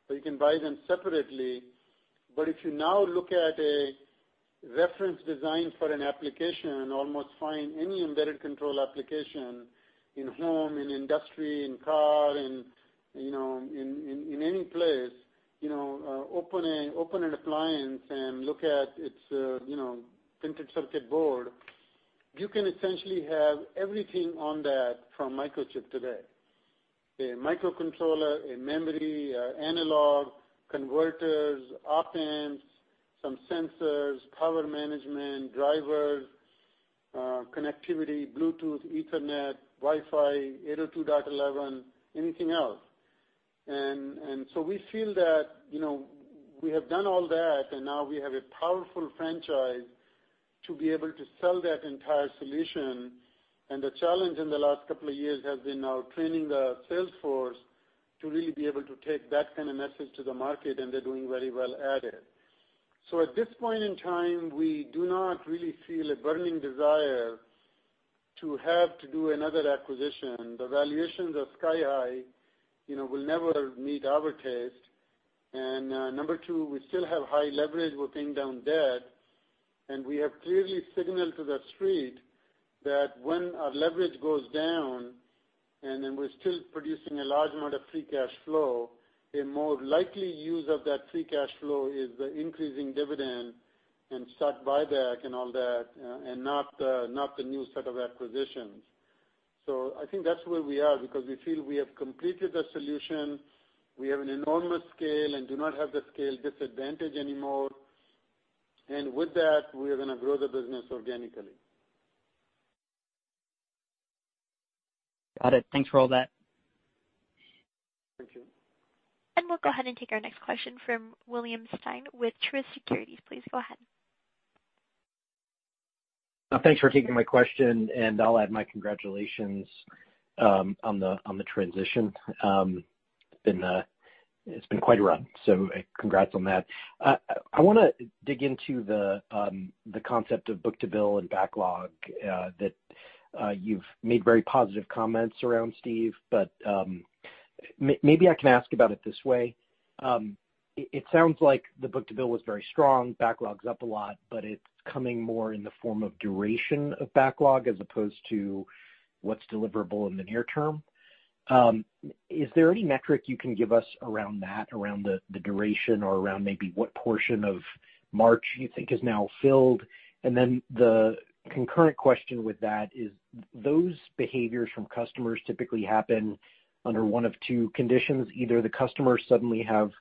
or you can buy them separately. If you now look at a reference design for an application and almost find any embedded control application in home, in industry, in car, in any place, open an appliance and look at its printed circuit board. You can essentially have everything on that from Microchip today. A microcontroller, a memory, analog converters, op-amps, some sensors, power management, drivers, connectivity, Bluetooth, Ethernet, Wi-Fi, 802.11, anything else. We feel that we have done all that, and now we have a powerful franchise to be able to sell that entire solution. The challenge in the last couple of years has been our training the sales force to really be able to take that kind of message to the market, and they're doing very well at it. At this point in time, we do not really feel a burning desire to have to do another acquisition. The valuations are sky high, will never meet our taste. Number two, we still have high leverage. We're paying down debt. We have clearly signaled to the street that when our leverage goes down and then we're still producing a large amount of free cash flow, a more likely use of that free cash flow is the increasing dividend and stock buyback and all that, and not the new set of acquisitions. I think that's where we are, because we feel we have completed the solution. We have an enormous scale and do not have the scale disadvantage anymore. With that, we are going to grow the business organically. Got it. Thanks for all that. Thank you. We'll go ahead and take our next question from William Stein with Truist Securities. Please go ahead. Thanks for taking my question. I'll add my congratulations on the transition. It's been quite a run. Congrats on that. I want to dig into the concept of book-to-bill and backlog that you've made very positive comments around, Steve. Maybe I can ask about it this way. It sounds like the book-to-bill was very strong, backlog's up a lot, but it's coming more in the form of duration of backlog as opposed to what's deliverable in the near term. Is there any metric you can give us around that, around the duration or around maybe what portion of March you think is now filled? The concurrent question with that is, those behaviors from customers typically happen under one of two conditions. Either the customers suddenly have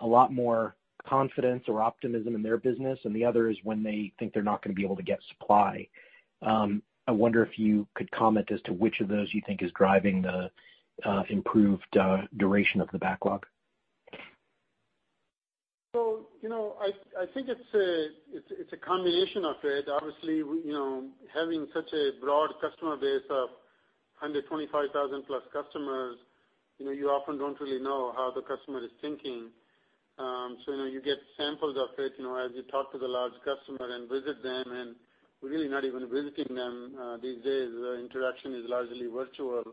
a lot more confidence or optimism in their business, and the other is when they think they're not going to be able to get supply. I wonder if you could comment as to which of those you think is driving the improved duration of the backlog. I think it's a combination of it. Obviously, having such a broad customer base of 125,000+ customers, you often don't really know how the customer is thinking. You get samples of it as you talk to the large customer and visit them. We're really not even visiting them these days. The interaction is largely virtual.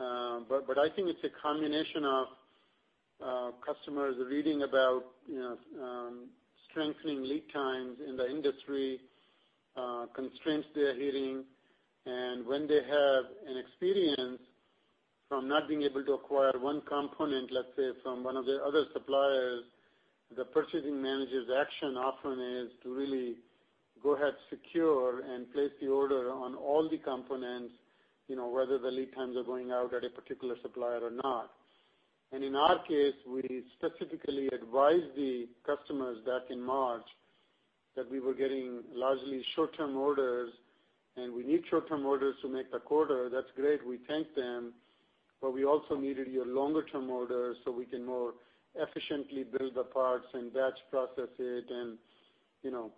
I think it's a combination of customers reading about strengthening lead times in the industry, constraints they are hitting, and when they have an experience from not being able to acquire one component, let's say, from one of their other suppliers, the purchasing manager's action often is to really go ahead, secure and place the order on all the components, whether the lead times are going out at a particular supplier or not. In our case, we specifically advised the customers back in March that we were getting largely short-term orders, and we need short-term orders to make the quarter. That's great. We thank them, but we also needed your longer-term orders so we can more efficiently build the parts and batch process it and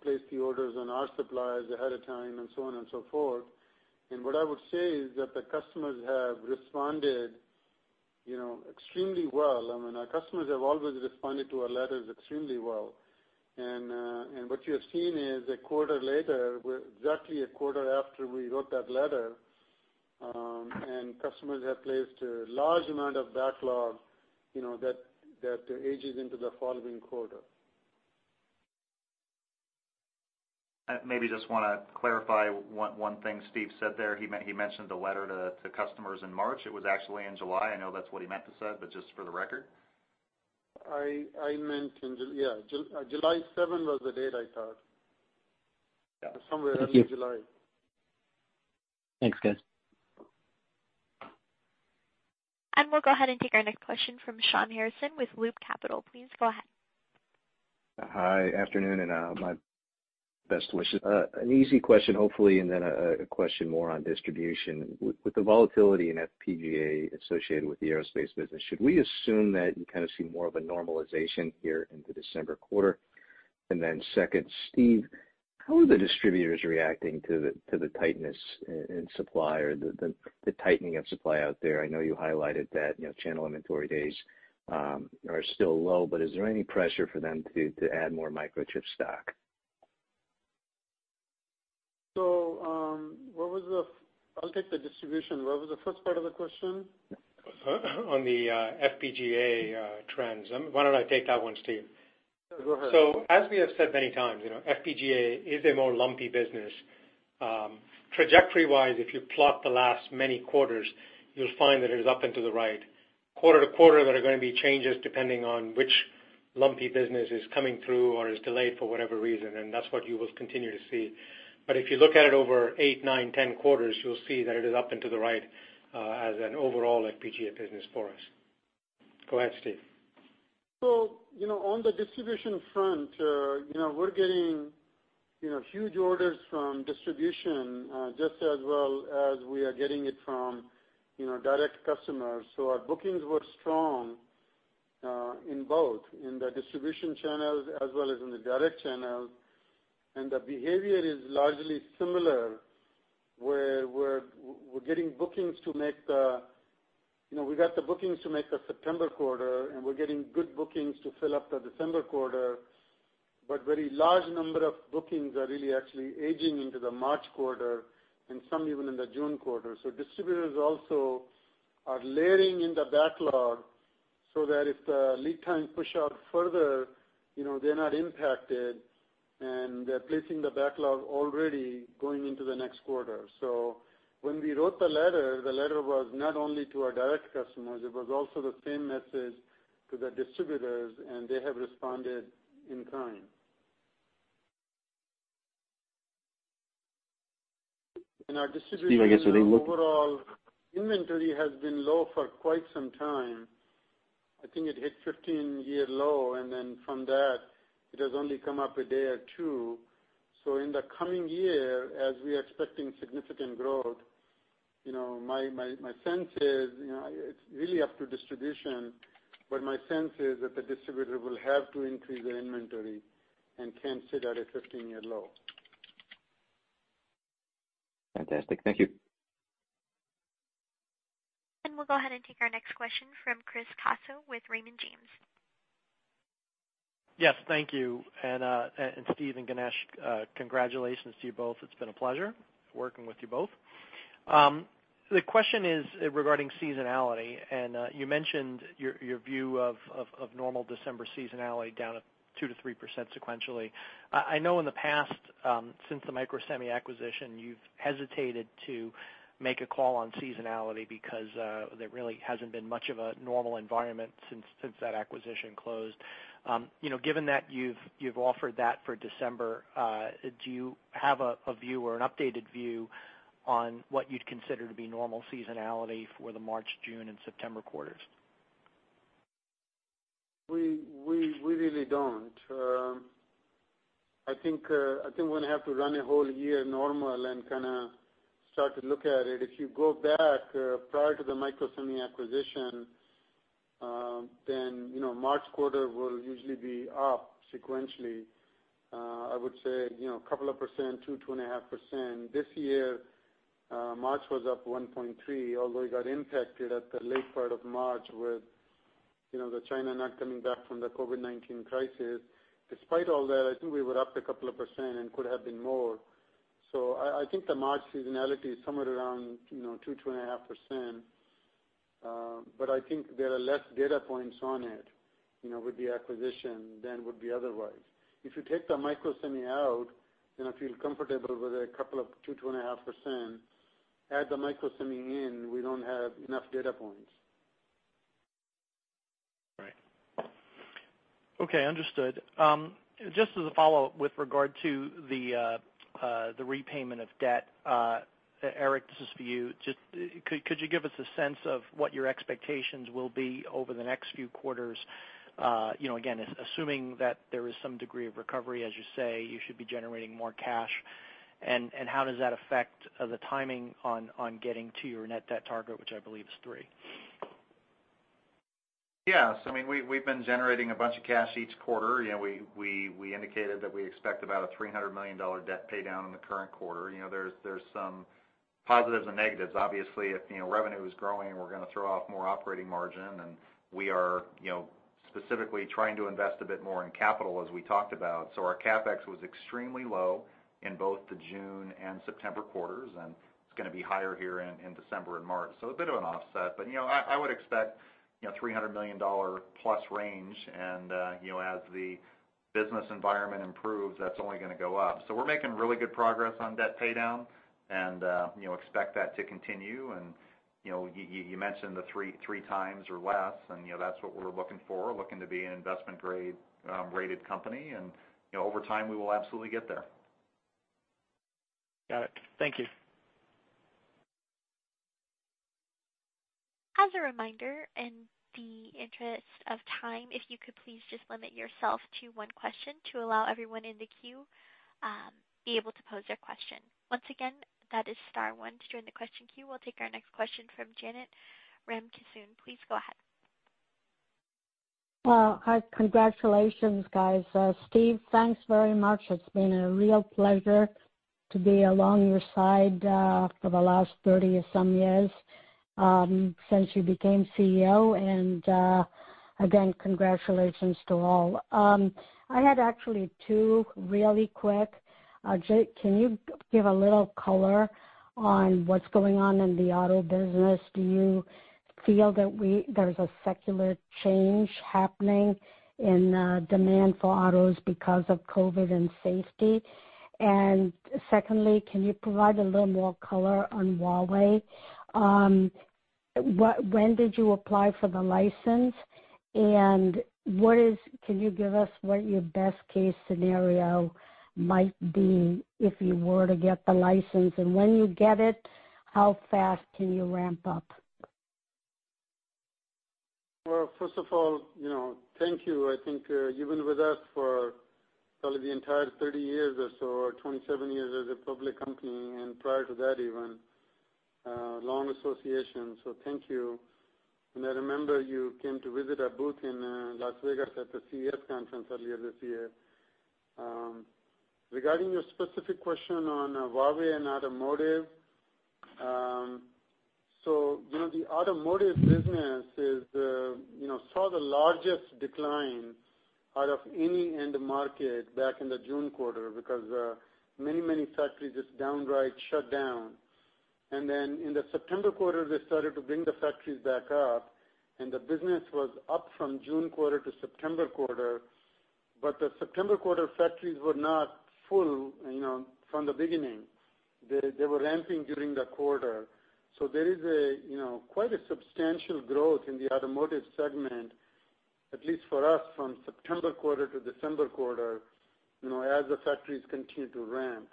place the orders on our suppliers ahead of time and so on and so forth. What I would say is that the customers have responded extremely well. I mean, our customers have always responded to our letters extremely well. What you have seen is a quarter later, exactly a quarter after we wrote that letter, and customers have placed a large amount of backlog that ages into the following quarter. Maybe just want to clarify one thing Steve said there. He mentioned the letter to customers in March. It was actually in July. I know that's what he meant to say, but just for the record. I meant in July. Yeah, July seventh was the date I thought. Yeah. Somewhere early July. Thanks, guys. We'll go ahead and take our next question from Shawn Harrison with Loop Capital. Please go ahead. Hi, afternoon, and my best wishes. An easy question, hopefully, then a question more on distribution. With the volatility in FPGA associated with the aerospace business, should we assume that you kind of see more of a normalization here in the December quarter? Then second, Steve, how are the distributors reacting to the tightness in supply or the tightening of supply out there? I know you highlighted that channel inventory days are still low, but is there any pressure for them to add more Microchip stock? I'll take the distribution. What was the first part of the question? On the FPGA trends. Why don't I take that one, Steve? Go ahead. As we have said many times, FPGA is a more lumpy business. Trajectory-wise, if you plot the last many quarters, you will find that it is up and to the right. Quarter to quarter, there are going to be changes depending on which. Lumpy business is coming through or is delayed for whatever reason, and that's what you will continue to see. If you look at it over eight, nine, 10 quarters, you'll see that it is up and to the right, as an overall FPGA business for us. Go ahead, Steve. On the distribution front, we're getting huge orders from distribution, just as well as we are getting it from direct customers. Our bookings were strong in both, in the distribution channels as well as in the direct channels. The behavior is largely similar, where we're getting bookings to make the September quarter, and we're getting good bookings to fill up the December quarter, but very large number of bookings are really actually aging into the March quarter and some even in the June quarter. Distributors also are layering in the backlog so that if the lead times push out further, they're not impacted, and they're placing the backlog already going into the next quarter. When we wrote the letter, the letter was not only to our direct customers, it was also the same message to the distributors, and they have responded in kind. Our distribution- Steve, I guess are they? Overall inventory has been low for quite some time. I think it hit 15-year low, and then from that it has only come up a day or two. In the coming year, as we are expecting significant growth, my sense is, it's really up to distribution, but my sense is that the distributor will have to increase their inventory and can't sit at a 15-year low. Fantastic. Thank you. We'll go ahead and take our next question from Chris Caso with Raymond James. Yes, thank you. Steve and Ganesh, congratulations to you both. It's been a pleasure working with you both. The question is regarding seasonality. You mentioned your view of normal December seasonality down at 2%-3% sequentially. I know in the past, since the Microsemi acquisition, you've hesitated to make a call on seasonality because there really hasn't been much of a normal environment since that acquisition closed. Given that you've offered that for December, do you have a view or an updated view on what you'd consider to be normal seasonality for the March, June and September quarters? We really don't. I think we're going to have to run a whole year normal and kind of start to look at it. If you go back, prior to the Microsemi acquisition, March quarter will usually be up sequentially. I would say a couple of percent, 2%-2.5%. This year, March was up 1.3%, although it got impacted at the late part of March with the China not coming back from the COVID-19 crisis. Despite all that, I think we were up a couple of percent and could have been more. I think the March seasonality is somewhere around 2%-2.5%. I think there are less data points on it, with the acquisition than would be otherwise. If you take the Microsemi out, then I feel comfortable with a couple of 2%-2.5%. Add the Microsemi in, we don't have enough data points. Right. Okay. Understood. Just as a follow-up with regard to the repayment of debt, Eric, this is for you. Could you give us a sense of what your expectations will be over the next few quarters? Again, assuming that there is some degree of recovery, as you say, you should be generating more cash. How does that affect the timing on getting to your net debt target, which I believe is three? Yes. We've been generating a bunch of cash each quarter. We indicated that we expect about a $300 million debt paydown in the current quarter. There's some positives and negatives. Obviously, if revenue is growing, we're going to throw off more operating margin, and we are specifically trying to invest a bit more in capital, as we talked about. Our CapEx was extremely low in both the June and September quarters, and it's going to be higher here in December and March. A bit of an offset. I would expect $300 million+ range, and as the business environment improves, that's only going to go up. We're making really good progress on debt paydown and expect that to continue, and you mentioned the three times or less, and that's what we're looking for. Looking to be an investment-rated company, and over time, we will absolutely get there. Got it. Thank you. As a reminder, in the interest of time, if you could please just limit yourself to one question to allow everyone in the queue be able to pose their question. Once again, that is star one to join the question queue. We'll take our next question from Janet Ramkissoon. Please go ahead. Hi. Congratulations, guys. Steve, thanks very much. It's been a real pleasure to be along your side for the last 30 some years, since you became CEO. Again, congratulations to all. I had actually two really quick. Can you give a little color on what's going on in the auto business? Do you feel that there's a secular change happening in demand for autos because of COVID and safety? Secondly, can you provide a little more color on Huawei? When did you apply for the license? Can you give us what your best case scenario might be if you were to get the license? When you get it, how fast can you ramp up? Well, first of all, thank you. I think you've been with us for probably the entire 30 years or so, or 27 years as a public company, and prior to that even. Long association, so thank you. I remember you came to visit our booth in Las Vegas at the CES conference earlier this year. Regarding your specific question on Huawei and automotive. The automotive business saw the largest decline out of any end market back in the June quarter because many factories just downright shut down. In the September quarter, they started to bring the factories back up, and the business was up from June quarter to September quarter, but the September quarter factories were not full from the beginning. They were ramping during the quarter. There is quite a substantial growth in the automotive segment, at least for us, from September quarter to December quarter, as the factories continue to ramp.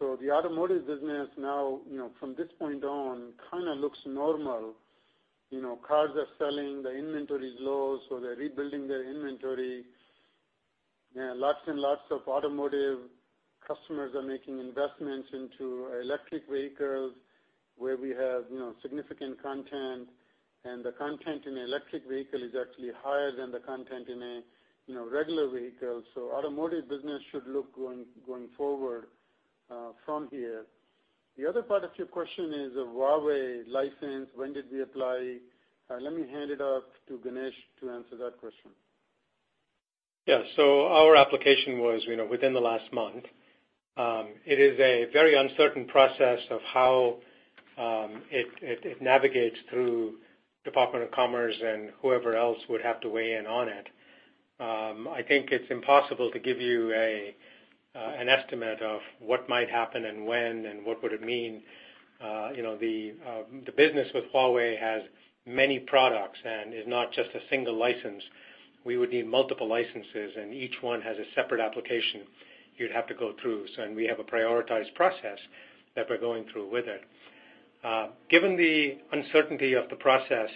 The automotive business now, from this point on, kind of looks normal. Cars are selling, the inventory is low, so they're rebuilding their inventory. Lots and lots of automotive customers are making investments into electric vehicles where we have significant content, and the content in an electric vehicle is actually higher than the content in a regular vehicle. Automotive business should look going forward from here. The other part of your question is Huawei license, when did we apply? Let me hand it off to Ganesh to answer that question. Yeah. Our application was within the last month. It is a very uncertain process of how it navigates through Department of Commerce and whoever else would have to weigh in on it. I think it's impossible to give you an estimate of what might happen and when and what would it mean. The business with Huawei has many products and is not just a single license. We would need multiple licenses, and each one has a separate application you'd have to go through. We have a prioritized process that we're going through with it. Given the uncertainty of the process,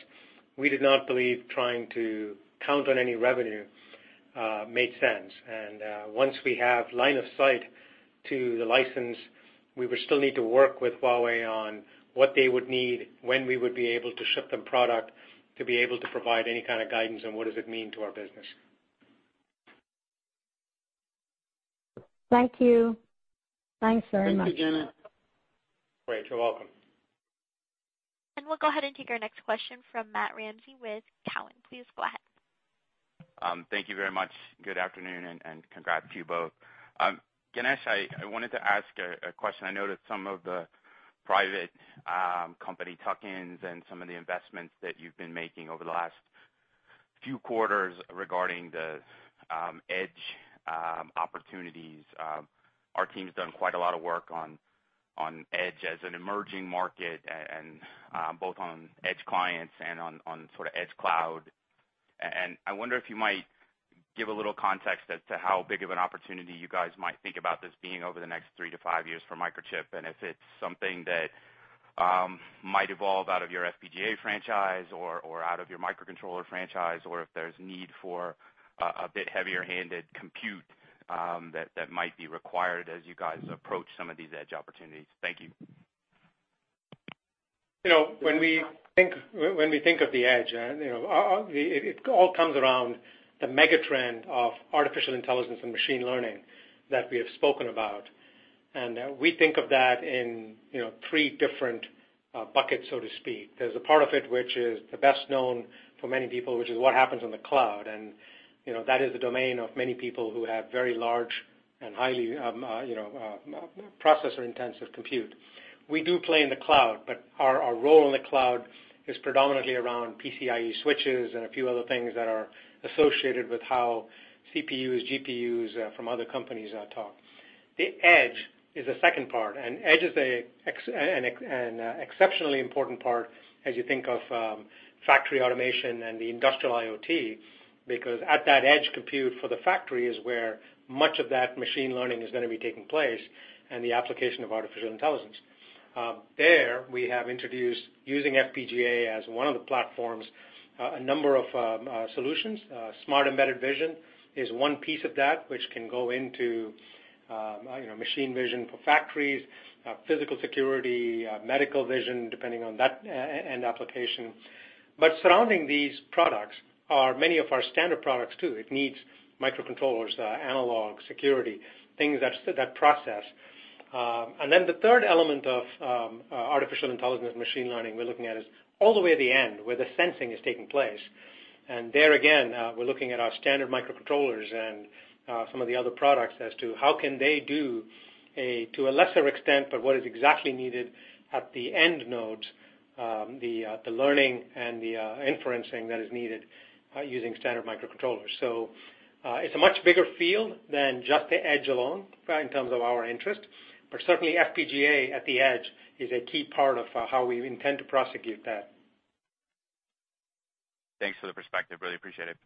we did not believe trying to count on any revenue made sense. Once we have line of sight to the license, we would still need to work with Huawei on what they would need, when we would be able to ship them product to be able to provide any kind of guidance on what does it mean to our business. Thank you. Thanks very much. Thank you, Janet. Great. You're welcome. We'll go ahead and take our next question from Matthew Ramsay with Cowen. Please go ahead. Thank you very much. Good afternoon, and congrats to you both. Ganesh, I wanted to ask a question. I noticed some of the private company tuck-ins and some of the investments that you've been making over the last few quarters regarding the edge opportunities. Our team's done quite a lot of work on edge as an emerging market and both on edge clients and on sort of edge cloud. I wonder if you might give a little context as to how big of an opportunity you guys might think about this being over the next three to five years for Microchip, and if it's something that might evolve out of your FPGA franchise or out of your microcontroller franchise, or if there's need for a bit heavier-handed compute that might be required as you guys approach some of these edge opportunities. Thank you. When we think of the edge, it all comes around the mega trend of artificial intelligence and machine learning that we have spoken about. We think of that in three different buckets, so to speak. There's a part of it which is the best known for many people, which is what happens on the cloud. That is the domain of many people who have very large and highly processor-intensive compute. We do play in the cloud, but our role in the cloud is predominantly around PCIe switches and a few other things that are associated with how CPUs, GPUs from other companies talk. The edge is a second part, and edge is an exceptionally important part as you think of factory automation and the industrial IoT, because at that edge, compute for the factory is where much of that machine learning is going to be taking place and the application of artificial intelligence. There, we have introduced using FPGA as one of the platforms, a number of solutions. Smart embedded vision is one piece of that, which can go into machine vision for factories, physical security, medical vision, depending on that end application. Surrounding these products are many of our standard products, too. It needs microcontrollers, analog, security, things that process. The third element of artificial intelligence machine learning we're looking at is all the way at the end where the sensing is taking place. There again, we're looking at our standard microcontrollers and some of the other products as to how can they do to a lesser extent, but what is exactly needed at the end nodes, the learning and the inferencing that is needed using standard microcontrollers. It's a much bigger field than just the edge alone in terms of our interest. Certainly FPGA at the edge is a key part of how we intend to prosecute that. Thanks for the perspective. Really appreciate it.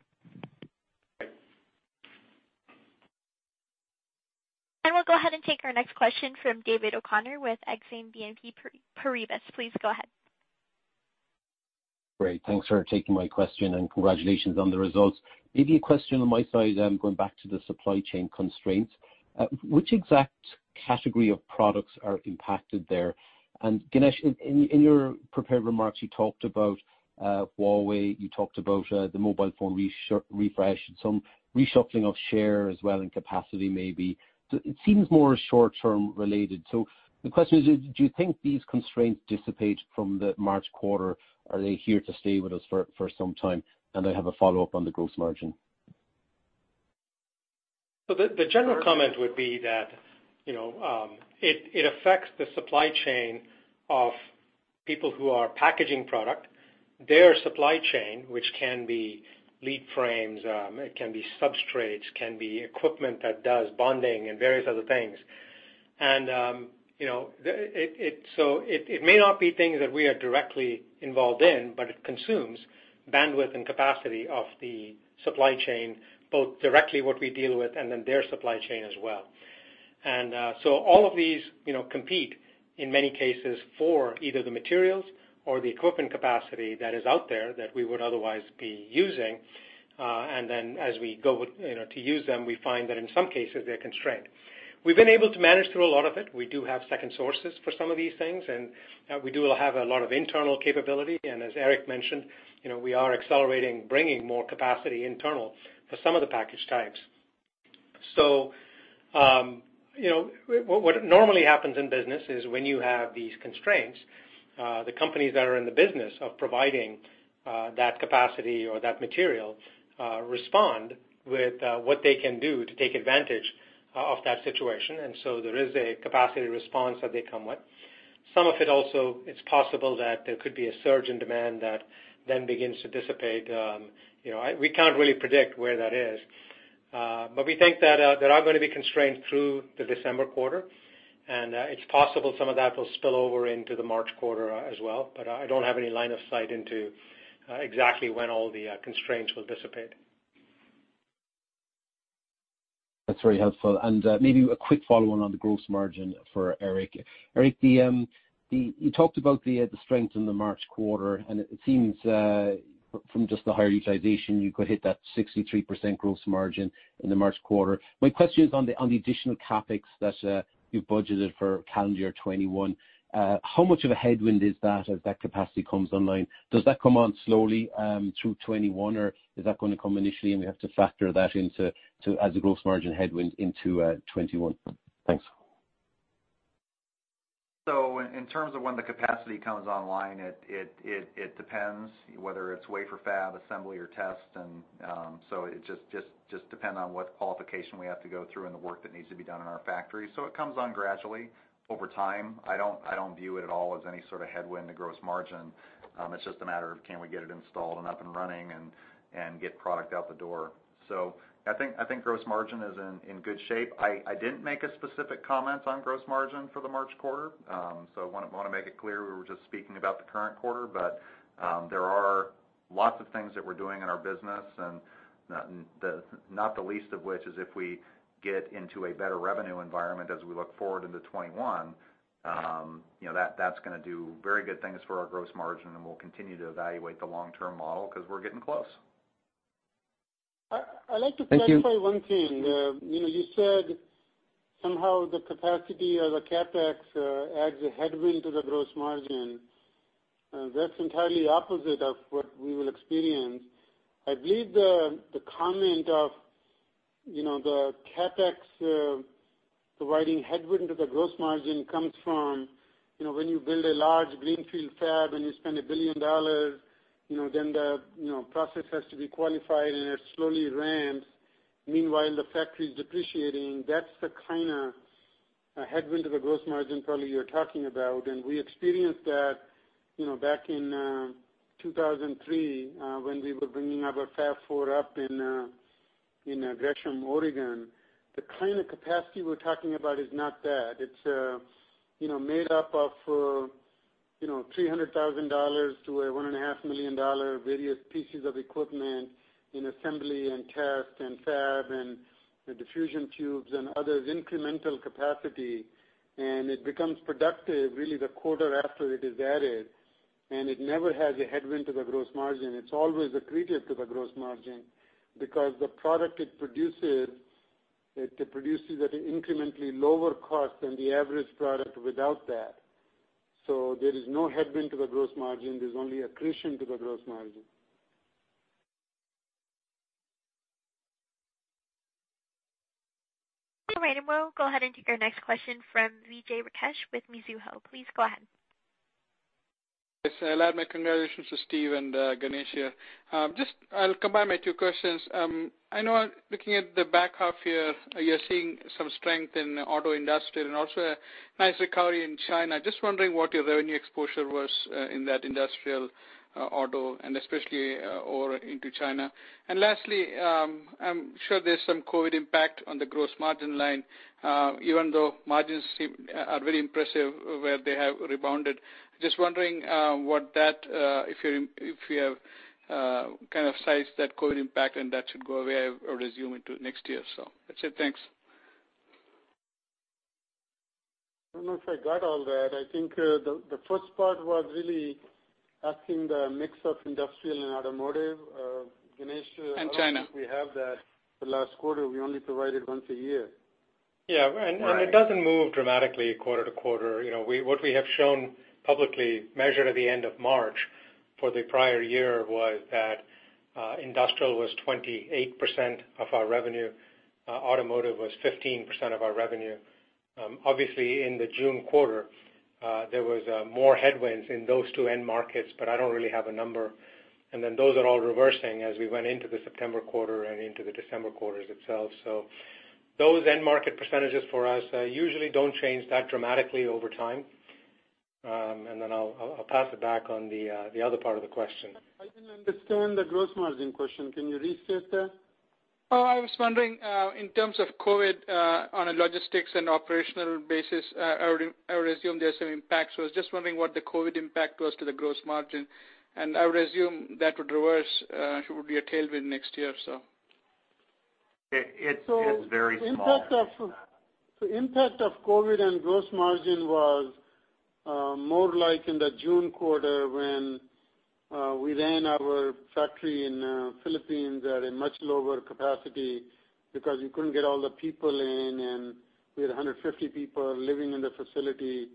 We'll go ahead and take our next question from David O'Connor with BNP Paribas Exane. Please go ahead. Great. Thanks for taking my question. Congratulations on the results. Maybe a question on my side, going back to the supply chain constraints. Which exact category of products are impacted there? Ganesh, in your prepared remarks, you talked about Huawei. You talked about the mobile phone refresh and some reshuffling of share as well, and capacity maybe. It seems more short-term related. The question is, do you think these constraints dissipate from the March quarter? Are they here to stay with us for some time? I have a follow-up on the gross margin. The general comment would be that it affects the supply chain of people who are packaging product, their supply chain, which can be lead frames, it can be substrates, can be equipment that does bonding and various other things. It may not be things that we are directly involved in, but it consumes bandwidth and capacity of the supply chain, both directly what we deal with and then their supply chain as well. All of these compete in many cases for either the materials or the equipment capacity that is out there that we would otherwise be using. As we go to use them, we find that in some cases, they're constrained. We've been able to manage through a lot of it. We do have second sources for some of these things, and we do have a lot of internal capability. As Eric mentioned, we are accelerating, bringing more capacity internal for some of the package types. What normally happens in business is when you have these constraints, the companies that are in the business of providing that capacity or that material respond with what they can do to take advantage of that situation. There is a capacity response that they come with. Some of it also, it's possible that there could be a surge in demand that then begins to dissipate. We can't really predict where that is. We think that there are going to be constraints through the December quarter, and it's possible some of that will spill over into the March quarter as well. I don't have any line of sight into exactly when all the constraints will dissipate. That's very helpful. Maybe a quick follow-on on the gross margin for Eric. Eric, you talked about the strength in the March quarter, and it seems from just the higher utilization, you could hit that 63% gross margin in the March quarter. My question is on the additional CapEx that you budgeted for calendar 2021. How much of a headwind is that as that capacity comes online? Does that come on slowly through 2021, or is that going to come initially, and we have to factor that in as a gross margin headwind into 2021? Thanks. In terms of when the capacity comes online, it depends whether it's wafer fab, assembly, or test. It just depends on what qualification we have to go through and the work that needs to be done in our factory. It comes on gradually over time. I don't view it at all as any sort of headwind to gross margin. It's just a matter of can we get it installed and up and running and get product out the door. I think gross margin is in good shape. I didn't make a specific comment on gross margin for the March quarter, so I want to make it clear we were just speaking about the current quarter. There are lots of things that we're doing in our business, and not the least of which is if we get into a better revenue environment as we look forward into 2021. That's going to do very good things for our gross margin, and we'll continue to evaluate the long-term model because we're getting close. I'd like to clarify one thing. Thank you. You said somehow the capacity of the CapEx adds a headwind to the gross margin. That's entirely opposite of what we will experience. I believe the comment of the CapEx providing headwind to the gross margin comes from when you build a large greenfield fab and you spend $1 billion, then the process has to be qualified, and it slowly ramps. Meanwhile, the factory is depreciating. That's the kind of headwind to the gross margin probably you're talking about. We experienced that back in 2003, when we were bringing our Fab 4 up in Gresham, Oregon. The kind of capacity we're talking about is not that. It's made up of $300,000 to a $1.5 million various pieces of equipment in assembly and test and fab and diffusion tubes and other incremental capacity, and it becomes productive really the quarter after it is added, and it never has a headwind to the gross margin. It's always accretive to the gross margin because the product it produces, it produces at an incrementally lower cost than the average product without that. There is no headwind to the gross margin. There's only accretion to the gross margin. All right. We'll go ahead and take our next question from Vijay Rakesh with Mizuho. Please go ahead. Yes. I'd like my congratulations to Steve and Ganesh here. I'll combine my two questions. I know looking at the back half year, you're seeing some strength in auto industrial and also a nice recovery in China. Just wondering what your revenue exposure was in that industrial auto and especially into China. Lastly, I'm sure there's some COVID impact on the gross margin line, even though margins are very impressive where they have rebounded. Just wondering if you have kind of sized that COVID impact and that should go away or resume into next year. That's it. Thanks. I don't know if I got all that. I think, the first part was really asking the mix of industrial and automotive. Ganesh. China. I don't think we have that the last quarter, we only provide it once a year. Yeah. Right. It doesn't move dramatically quarter to quarter. What we have shown publicly, measured at the end of March for the prior year was that industrial was 28% of our revenue. Automotive was 15% of our revenue. Obviously, in the June quarter, there was more headwinds in those two end markets, but I don't really have a number. Those are all reversing as we went into the September quarter and into the December quarters itself. Those end market percentages for us usually don't change that dramatically over time. I'll pass it back on the other part of the question. I didn't understand the gross margin question. Can you restate that? I was wondering, in terms of COVID, on a logistics and operational basis, I would assume there's some impact. I was just wondering what the COVID impact was to the gross margin, and I would assume that would reverse, should be a tailwind next year. It's very small. Impact of COVID and gross margin was more like in the June quarter when we ran our factory in Philippines at a much lower capacity because we couldn't get all the people in, and we had 150 people living in the facility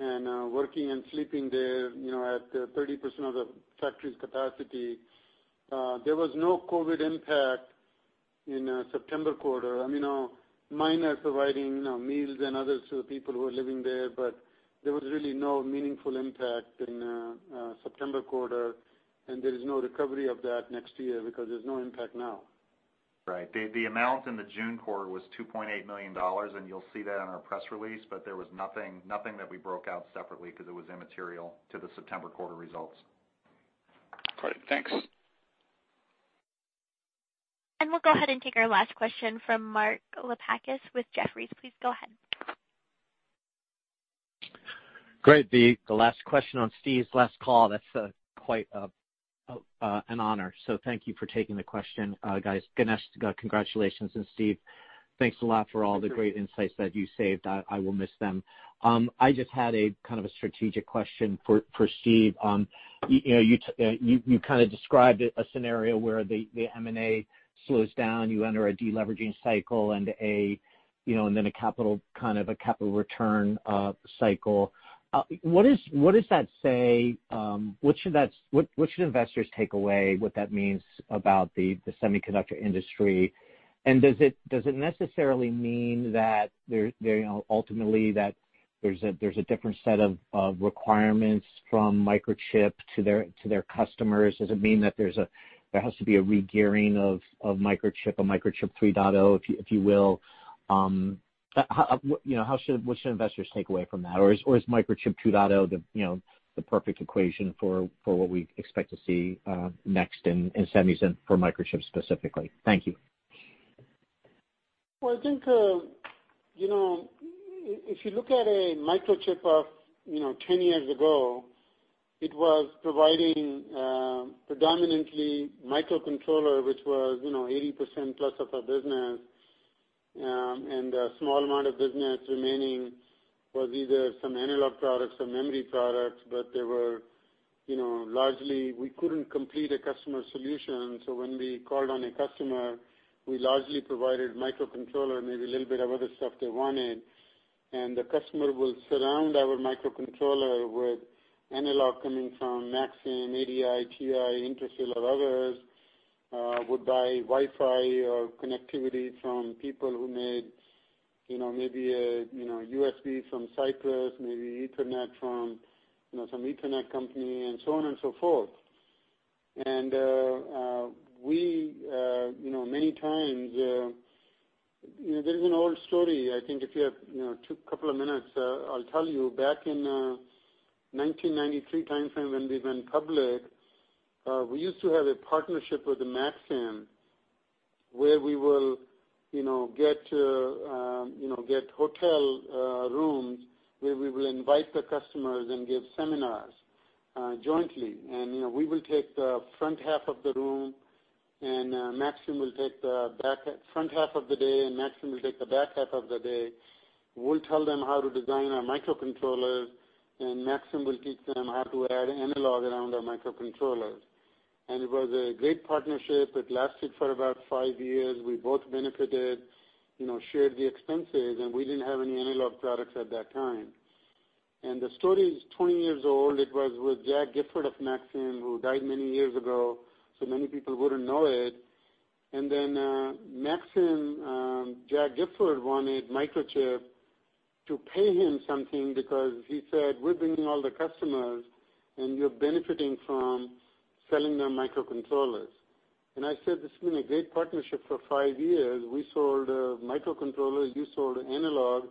and working and sleeping there at 30% of the factory's capacity. There was no COVID impact in September quarter. Minor providing meals and others to the people who are living there was really no meaningful impact in September quarter. There is no recovery of that next year because there's no impact now. Right. The amount in the June quarter was $2.8 million, and you'll see that on our press release, but there was nothing that we broke out separately because it was immaterial to the September quarter results. Got it. Thanks. We'll go ahead and take our last question from Mark Lipacis with Jefferies. Please go ahead. Great, the last question on Steve's last call, that's quite an honor. Thank you for taking the question, guys. Ganesh, congratulations. Steve, thanks a lot for all the great insights that you saved. I will miss them. I just had a kind of a strategic question for Steve. You kind of described a scenario where the M&A slows down, you enter a de-leveraging cycle. A kind of a capital return cycle. What does that say? What should investors take away what that means about the semiconductor industry? Does it necessarily mean that there ultimately that there's a different set of requirements from Microchip to their customers? Does it mean that there has to be a re-gearing of Microchip, a Microchip 3.0, if you will? What should investors take away from that? Is Microchip 2.0 the perfect equation for what we expect to see next in semis and for Microchip specifically? Thank you. Well, I think, if you look at a Microchip of 10 years ago, it was providing predominantly microcontroller, which was 80% plus of our business. A small amount of business remaining was either some analog products or memory products, but they were largely, we couldn't complete a customer solution, so when we called on a customer, we largely provided microcontroller, maybe a little bit of other stuff they wanted. The customer will surround our microcontroller with analog coming from Maxim, ADI, TI, Intersil, or others, would buy Wi-Fi or connectivity from people who made maybe a USB from Cypress, maybe Ethernet from some Ethernet company, and so on and so forth. We, many times, there's an old story. I think if you have couple of minutes, I'll tell you. Back in 1993 timeframe when we went public, we used to have a partnership with Maxim where we will get hotel rooms where we will invite the customers and give seminars jointly. We will take the front half of the room and Maxim will take the front half of the day, and Maxim will take the back half of the day. We'll tell them how to design our microcontrollers, and Maxim will teach them how to add analog around our microcontrollers. It was a great partnership. It lasted for about five years. We both benefited, shared the expenses, and we didn't have any analog products at that time. The story is 20 years old. It was with Jack Gifford of Maxim, who died many years ago, so many people wouldn't know it. Then Maxim, Jack Gifford, wanted Microchip to pay him something because he said, "We're bringing all the customers, and you're benefiting from selling them microcontrollers." I said, "This has been a great partnership for five years. We sold microcontrollers, you sold analog.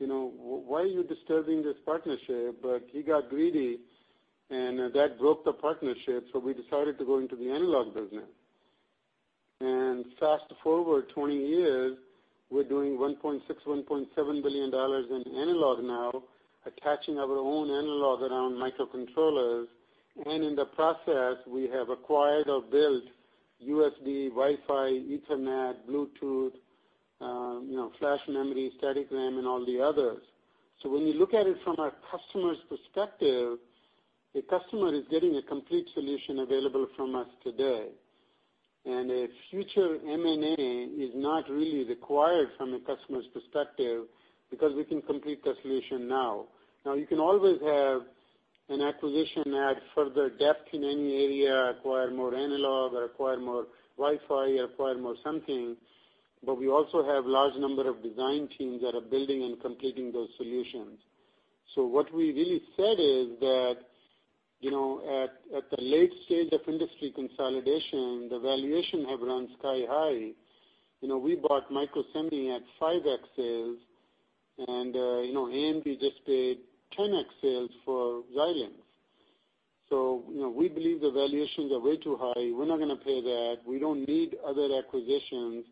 Why are you disturbing this partnership?" He got greedy, and that broke the partnership, we decided to go into the analog business. Fast-forward 20 years, we're doing $1.6 billion, $1.7 billion in analog now, attaching our own analog around microcontrollers. In the process, we have acquired or built USB, Wi-Fi, Ethernet, Bluetooth, flash memory, static RAM, and all the others. When you look at it from a customer's perspective, a customer is getting a complete solution available from us today. A future M&A is not really required from a customer's perspective because we can complete the solution now. You can always have an acquisition add further depth in any area, acquire more analog, or acquire more Wi-Fi, acquire more something, but we also have large number of design teams that are building and completing those solutions. What we really said is that at the late stage of industry consolidation, the valuation have run sky high. We bought Microsemi at 5x sales and NXP just paid 10x sales for Xilinx. We believe the valuations are way too high. We're not going to pay that. We don't need other acquisitions,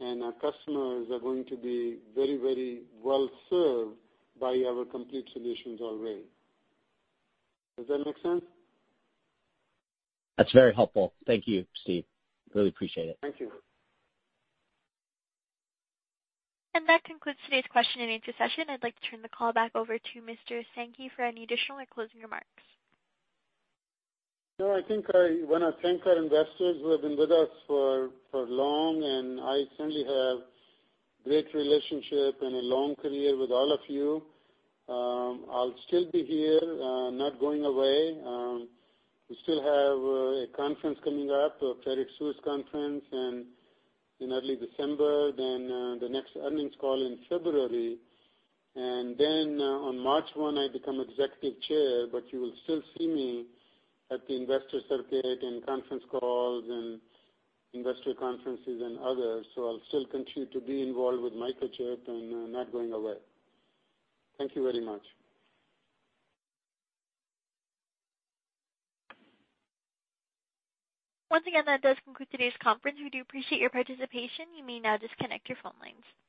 and our customers are going to be very well-served by our complete solutions already. Does that make sense? That's very helpful. Thank you, Steve. Really appreciate it. Thank you. That concludes today's question and answer session. I'd like to turn the call back over to Mr. Sanghi for any additional or closing remarks. No, I think I want to thank our investors who have been with us for long, and I certainly have great relationship and a long career with all of you. I'll still be here, not going away. We still have a conference coming up, a Credit Suisse conference in early December, then the next earnings call in February. Then on March 1, I become executive chair, but you will still see me at the investor circuit and conference calls and investor conferences and others. I'll still continue to be involved with Microchip and not going away. Thank you very much. Once again, that does conclude today's conference. We do appreciate your participation. You may now disconnect your phone lines.